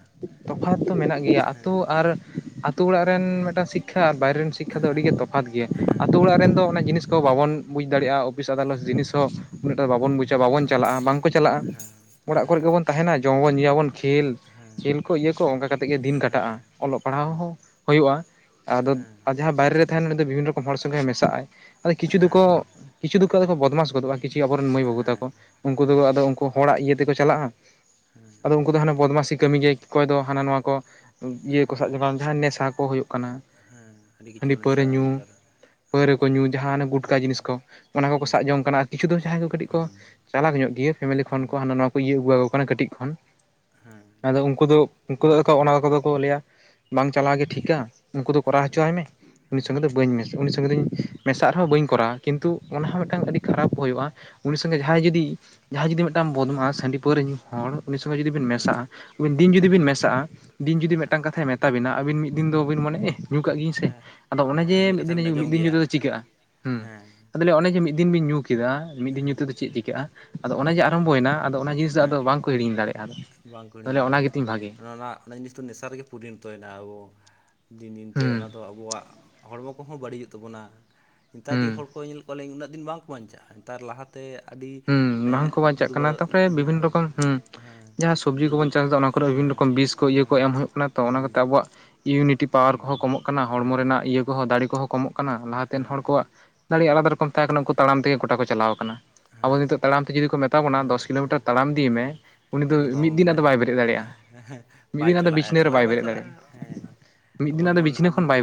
ᱛᱚᱯᱷᱟᱛ ᱫᱚ ᱢᱮᱱᱟᱜ ᱜᱮᱭᱟ ᱟᱛᱳ ᱟᱨ ᱟᱛᱳ ᱚᱲᱟᱜ ᱨᱮᱱ ᱢᱤᱫᱴᱟᱝ ᱥᱤᱠᱠᱷᱟ ᱟᱨ ᱵᱟᱭᱨᱮ ᱨᱮᱱ ᱥᱤᱠᱠᱷᱟ ᱫᱚ ᱟᱹᱰᱤᱜᱮ ᱛᱚᱯᱷᱟᱛ ᱜᱮᱭᱟ᱾ ᱦᱮᱸ ᱟᱛᱳ ᱚᱲᱟᱜ ᱨᱮᱱ ᱫᱚ ᱚᱱᱟ ᱡᱤᱱᱤᱥ ᱠᱚ ᱵᱟᱵᱚᱱ ᱵᱩᱡᱽ ᱫᱟᱲᱮᱭᱟᱜᱼᱟ᱾ ᱚᱯᱷᱤᱥ ᱟᱫᱟᱞᱚᱛ ᱦᱮᱸ ᱡᱤᱱᱤᱥ ᱦᱚᱸ ᱩᱱᱟᱹᱜᱴᱟ ᱵᱟᱵᱚᱱ ᱵᱩᱡᱟ, ᱵᱟᱵᱚᱱ ᱪᱟᱞᱟᱜᱼᱟ, ᱵᱟᱝ ᱠᱚ ᱪᱟᱞᱟᱜᱼᱟ ᱚᱲᱟᱜ ᱠᱚᱨᱮ ᱦᱮᱸ ᱜᱮᱵᱚᱱ ᱛᱟᱦᱮᱱᱟ ᱡᱚᱢ ᱟᱵᱚᱱ, ᱧᱩᱭᱟᱵᱚᱱ ᱠᱷᱮᱞ ᱦᱮᱸ ᱠᱷᱮᱞ ᱠᱚ ᱤᱭᱟᱹ ᱠᱚ ᱚᱱᱠᱟ ᱠᱟᱛᱮ ᱜᱮ ᱫᱤᱱ ᱠᱟᱴᱟᱜᱼᱟ᱾ ᱦᱮᱸ ᱚᱞᱚᱜ ᱯᱟᱲᱦᱟᱣ ᱦᱮᱸ ᱦᱚᱸ ᱦᱩᱭᱩᱜᱼᱟ᱾ ᱟᱫᱚ ᱦᱮᱸ ᱟᱨ ᱡᱟᱦᱟᱭ ᱵᱟᱭᱨᱮ ᱨᱮ ᱛᱟᱦᱮᱱ ᱩᱱᱤ ᱫᱚᱭ ᱵᱤᱵᱷᱤᱱᱱᱚ ᱨᱚᱠᱚᱢ ᱦᱚᱲ ᱥᱚᱸᱜᱮᱭ ᱢᱮᱥᱟᱜ-ᱟᱭ᱾ ᱟᱫᱚ ᱦᱮᱸ ᱠᱤᱪᱷᱩ ᱦᱮᱸ ᱫᱚᱠᱚ ᱠᱤᱪᱷᱩ ᱫᱚᱠᱚ ᱟᱫᱚᱠᱚ ᱵᱚᱫᱢᱟᱥ ᱜᱚᱫᱚᱜ-ᱟ ᱠᱤᱪᱷᱩ ᱟᱵᱚᱨᱮᱱ ᱢᱟᱹᱭ ᱵᱟᱹᱵᱩ ᱛᱟᱠᱚ ᱦᱮᱸ ᱩᱱᱠᱩ ᱦᱮᱸ ᱟᱫᱚ ᱠᱚ ᱦᱚᱲᱟᱜ ᱤᱭᱟᱹ ᱦᱮᱸ ᱛᱮᱠᱚ ᱪᱟᱞᱟᱜ-ᱟ, ᱟᱫᱚ ᱩᱱᱠᱩ ᱫᱚ ᱦᱟᱱᱟ ᱵᱚᱫᱢᱟᱥᱤ ᱠᱟᱹᱢᱤ ᱜᱮᱭ ᱠᱚᱭ ᱫᱚ ᱦᱟᱱᱟ ᱱᱚᱣᱟ ᱠᱚ ᱤᱭᱟᱹ ᱠᱚ ᱥᱟᱵ ᱦᱮᱸ ᱡᱚᱠᱟᱝ ᱡᱟᱦᱟᱱ ᱱᱮᱥᱟ ᱠᱚ ᱦᱳᱭᱳᱜ ᱠᱟᱱᱟ, ᱦᱮᱸ ᱟᱹᱰᱤ ᱦᱟᱺᱰᱤ ᱠᱤᱪᱷᱩ ᱯᱟᱹᱣᱨᱟᱹ ᱢᱮᱥᱟᱜᱼᱟ ᱧᱩ, ᱱᱮᱛᱟᱨ ᱦᱮᱸ ᱯᱟᱹᱣᱨᱟᱹ ᱠᱚ ᱧᱩ ᱡᱟᱦᱟᱸ ᱚᱱᱮ ᱜᱩᱴᱠᱟ ᱦᱩᱸ ᱡᱤᱱᱤᱥ ᱠᱚ ᱚᱱᱟ ᱠᱚᱠᱚ ᱦᱩᱸ ᱥᱟᱵ ᱡᱚᱝ ᱠᱟᱱᱟ ᱟᱨ ᱠᱤᱪᱷᱩ ᱫᱚ ᱡᱟᱦᱟᱸᱭ ᱠᱚ ᱠᱟᱹᱴᱤᱡ ᱠᱚ ᱦᱩᱸ ᱪᱟᱞᱟᱠ ᱧᱚᱜ ᱜᱮᱭᱟᱹ ᱯᱷᱮᱢᱮᱞᱤ ᱠᱷᱚᱱ ᱠᱚ ᱦᱩᱸ ᱦᱟᱱᱟ ᱱᱚᱣᱟ ᱠᱚ ᱤᱭᱟᱹ ᱟᱹᱜᱩᱣᱟ ᱠᱚ ᱠᱟᱱᱟ ᱠᱟᱹᱴᱤᱡ ᱠᱷᱚᱱ, ᱦᱮᱸ ᱟᱫᱚ ᱩᱱᱠᱩ ᱫᱚ ᱩᱱᱠᱩ ᱟᱫᱚᱠᱚ ᱚᱱᱟᱠᱚᱫᱚ ᱠᱚ ᱞᱟᱹᱭᱟ ᱵᱟᱝ ᱪᱟᱞᱟᱣ ᱜᱮ ᱴᱷᱤᱠᱟ᱾ ᱩᱱᱠᱩ ᱫᱚ ᱠᱚᱨᱟᱣ ᱦᱚᱪᱚᱟᱭ ᱢᱮ᱾ ᱩᱱᱤ ᱥᱚᱸᱜᱮ ᱫᱚ ᱵᱟᱹᱧ ᱢᱮᱥ ᱩᱱᱤ ᱥᱚᱸᱜᱮ ᱫᱚᱧ ᱢᱮᱥᱟᱜ ᱨᱮᱦᱚᱸ ᱵᱟᱹᱧ ᱠᱚᱨᱟᱣᱟ ᱠᱤᱱᱛᱩ ᱚᱱᱟ ᱦᱚᱸ ᱢᱤᱫᱴᱟᱝ ᱟᱹᱰᱤ ᱠᱷᱟᱨᱟᱯ ᱦᱩᱭᱩᱜ-ᱟ᱾ ᱩᱱᱤ ᱥᱚᱸᱜᱮ ᱡᱟᱦᱟᱸᱭ ᱡᱩᱫᱤ ᱡᱟᱦᱟᱸᱭ ᱡᱩᱫᱤ ᱢᱤᱫᱴᱟᱝ ᱵᱚᱫᱢᱟᱥ ᱦᱟᱺᱰᱤ ᱯᱟᱹᱨᱣᱟᱹ ᱧᱩ ᱦᱚᱲ ᱩᱱᱤ ᱥᱚᱸᱜᱮ ᱡᱩᱫᱤ ᱵᱤᱱ ᱦᱮᱸ ᱢᱮᱥᱟᱜ-ᱟ ᱟᱵᱤ ᱫᱤᱱ ᱡᱩᱫ ᱦᱮᱸ ᱛᱚ ᱢᱮᱥᱟᱜ-ᱟ ᱫᱤᱱ ᱡᱩᱫᱤ ᱦᱮᱸ ᱢᱤᱫᱴᱟᱝ ᱠᱟᱛᱷᱟᱭ ᱢᱮᱛᱟ ᱵᱤᱱᱟ ᱟᱵᱤᱱ ᱢᱤᱫ ᱫᱤᱱ ᱫᱚ ᱵᱤᱱ ᱢᱚᱱᱮ ᱮᱹᱦ ᱧᱩ ᱠᱟᱜ ᱜᱤᱭᱤᱧ ᱥᱮ᱾ ᱦᱮᱸ ᱟᱫᱚ ᱚᱱᱮ ᱦᱮᱸ ᱡᱮ ᱩᱱᱤᱭᱟᱜ ᱢᱤᱫ ᱠᱟᱛᱷᱟ ᱫᱤᱱ ᱮ ᱵᱤᱱ ᱧᱩ ᱟᱸᱡᱚᱢ ᱢᱤᱫ ᱫᱤᱱ ᱧᱩ ᱜᱮᱭᱟ ᱛᱮᱫᱚ ᱪᱤᱠᱟᱹᱜ-ᱟ? ᱦᱮᱸ ᱟᱫᱚ ᱞᱟᱹᱭᱟ ᱚᱱᱮ ᱡᱮ ᱢᱤᱫ ᱫᱤᱱ ᱵᱤᱱ ᱧᱩ ᱠᱮᱫᱟ ᱢᱤᱫ ᱫᱤᱱ ᱧᱩᱛᱩᱢ ᱫᱚ ᱪᱮᱫ ᱪᱤᱠᱟᱹᱜ-ᱟ? ᱟᱫᱚ ᱚᱱᱮ ᱡᱮ ᱟᱨᱟᱢᱵᱷᱚᱭᱮᱱᱟ ᱟᱫᱚ ᱚᱱᱟ ᱡᱤᱱᱤᱥ ᱫᱚ ᱟᱫᱚ ᱦᱮᱸ ᱵᱟᱝᱠᱚ ᱦᱤᱲᱤᱧ ᱫᱟᱲᱮᱭᱟᱜ-ᱟ ᱟᱫᱚ᱾ ᱵᱟᱝ ᱠᱚ ᱦᱤᱲᱤᱧ ᱫᱟᱲᱮᱭᱟ-ᱟ ᱡᱟ ᱛᱤᱧ ᱵᱷᱟᱜᱮ ᱚᱱᱟ ᱚᱱᱟ ᱡᱤᱱᱤᱥ ᱛᱚ ᱱᱮᱥᱟᱨ ᱨᱮᱜᱮ ᱯᱚᱨᱤᱱᱚᱛᱚᱭᱱᱟ ᱟᱵᱚ ᱫᱤᱱ ᱫᱤᱱᱛᱮ ᱚᱱᱟ ᱦᱩᱸ ᱫᱚ ᱟᱵᱚᱣᱟᱜ ᱦᱚᱲᱢᱚ ᱠᱚᱦᱚᱸ ᱵᱟᱹᱲᱤᱡᱚᱜ ᱛᱟᱵᱚᱱᱟ᱾ ᱱᱮᱛᱟᱨ ᱨᱤᱡ ᱦᱩᱸ ᱦᱚᱲ ᱠᱚ ᱧᱮᱞ ᱮᱫ ᱠᱚᱣᱟ ᱞᱤᱧ ᱩᱱᱟᱹᱜ ᱫᱤᱱ ᱵᱟᱝᱠᱚ ᱵᱟᱧᱪᱟᱜ-ᱟ ᱱᱮᱛᱟᱨ ᱞᱟᱦᱟ ᱛᱮ ᱟᱹᱰᱤ ᱦᱩᱸ ᱢᱟᱱᱮ ᱵᱟᱝᱠᱚ ᱵᱟᱧᱪᱟᱜ ᱫᱩᱲᱩᱵᱟ ᱠᱟᱱᱟ ᱛᱟᱯᱚᱨᱮ ᱵᱤᱵᱷᱤᱱᱱᱚ ᱦᱮᱸ ᱨᱚᱠᱚᱢ ᱦᱩᱸ ᱦᱮᱸ ᱡᱟᱦᱟᱸ ᱥᱚᱵᱽᱡᱤ ᱠᱚᱵᱚᱱ ᱫᱩᱫᱩᱵ ᱪᱟᱥ ᱮᱫᱟ ᱚᱱᱟ ᱠᱚᱨᱮ ᱵᱤᱵᱷᱤᱱᱱᱚ ᱦᱮᱸ ᱨᱚᱠᱚᱢ ᱵᱤᱥ ᱠᱚ ᱤᱭᱟᱹ ᱠᱚ ᱦᱮᱸ ᱮᱢ ᱦᱩᱭᱩᱜ ᱠᱟᱱᱟ ᱛᱚ ᱚᱱᱟ ᱦᱩᱸ ᱠᱟᱛᱮ ᱟᱵᱚᱣᱟᱜ ᱤᱭᱩᱱᱤᱴᱤ ᱯᱟᱣᱟᱨ ᱦᱩᱸ ᱠᱚᱦᱚᱸ ᱠᱚᱢᱚᱜ ᱠᱟᱱᱟ ᱦᱚᱲᱢᱚ ᱦᱮᱸ ᱨᱮᱱᱟᱜ ᱤᱭᱟᱹ ᱠᱚᱦᱚᱸ ᱫᱟᱲᱮ ᱠᱚᱦᱚᱸ ᱠᱚᱢᱚᱜ ᱠᱟᱱᱟ ᱞᱟᱦᱟᱛᱮᱱ ᱦᱚᱲ ᱦᱮᱸ ᱠᱚᱣᱟᱜ ᱫᱟᱲᱮ ᱟᱞᱟᱫᱟ ᱨᱚᱠᱚᱢ ᱛᱟᱦᱮᱸ ᱠᱟᱱᱟ ᱩᱱᱠᱩ ᱛᱟᱲᱟᱢ ᱛᱮᱜᱮ ᱜᱚᱴᱟ ᱠᱚ ᱪᱟᱞᱟᱣ ᱟᱠᱟᱱᱟ᱾ ᱟᱵᱚ ᱦᱮᱸ ᱱᱤᱛᱚᱜ ᱛᱟᱲᱟᱢ ᱛᱮ ᱡᱩᱫᱤ ᱠᱚ ᱢᱮᱛᱟ ᱵᱚᱱᱟ ᱦᱮᱸ ᱫᱚᱥ ᱦᱮᱸ ᱠᱤᱞᱳᱢᱤᱴᱟᱨ ᱛᱟᱲᱟᱢ ᱤᱫᱤᱭ ᱢᱮ ᱦᱮᱸ ᱩᱱᱤ ᱫᱩ ᱢᱤᱫ ᱮᱠᱫᱚᱢ ᱫᱤᱱ ᱢᱟᱱᱮ ᱟᱫᱚ ᱵᱟᱭ ᱵᱮᱨᱮᱫ ᱫᱟᱲᱮᱜ-ᱟ᱾ ᱢᱤᱫ ᱵᱟᱭ ᱫᱤᱱ ᱟᱫᱚ ᱪᱟᱞᱟᱜᱼᱟ ᱵᱤᱪᱷᱱᱟᱹ ᱨᱮ ᱪᱟᱞᱟᱣ ᱵᱟᱭ ᱜᱮ ᱵᱮᱨᱮᱫ ᱪᱟᱞᱟᱜᱼᱟ ᱦᱮᱸ ᱫᱟᱲᱮᱭᱟᱜ-ᱟ ᱢᱤᱫ ᱟᱵᱚ ᱫᱤᱱ ᱟᱫᱚ ᱡᱮᱢᱚᱱ ᱵᱤᱪᱷᱱᱟᱹ ᱟᱹᱫᱤ ᱠᱷᱚᱱ ᱵᱟᱭ ᱵᱮ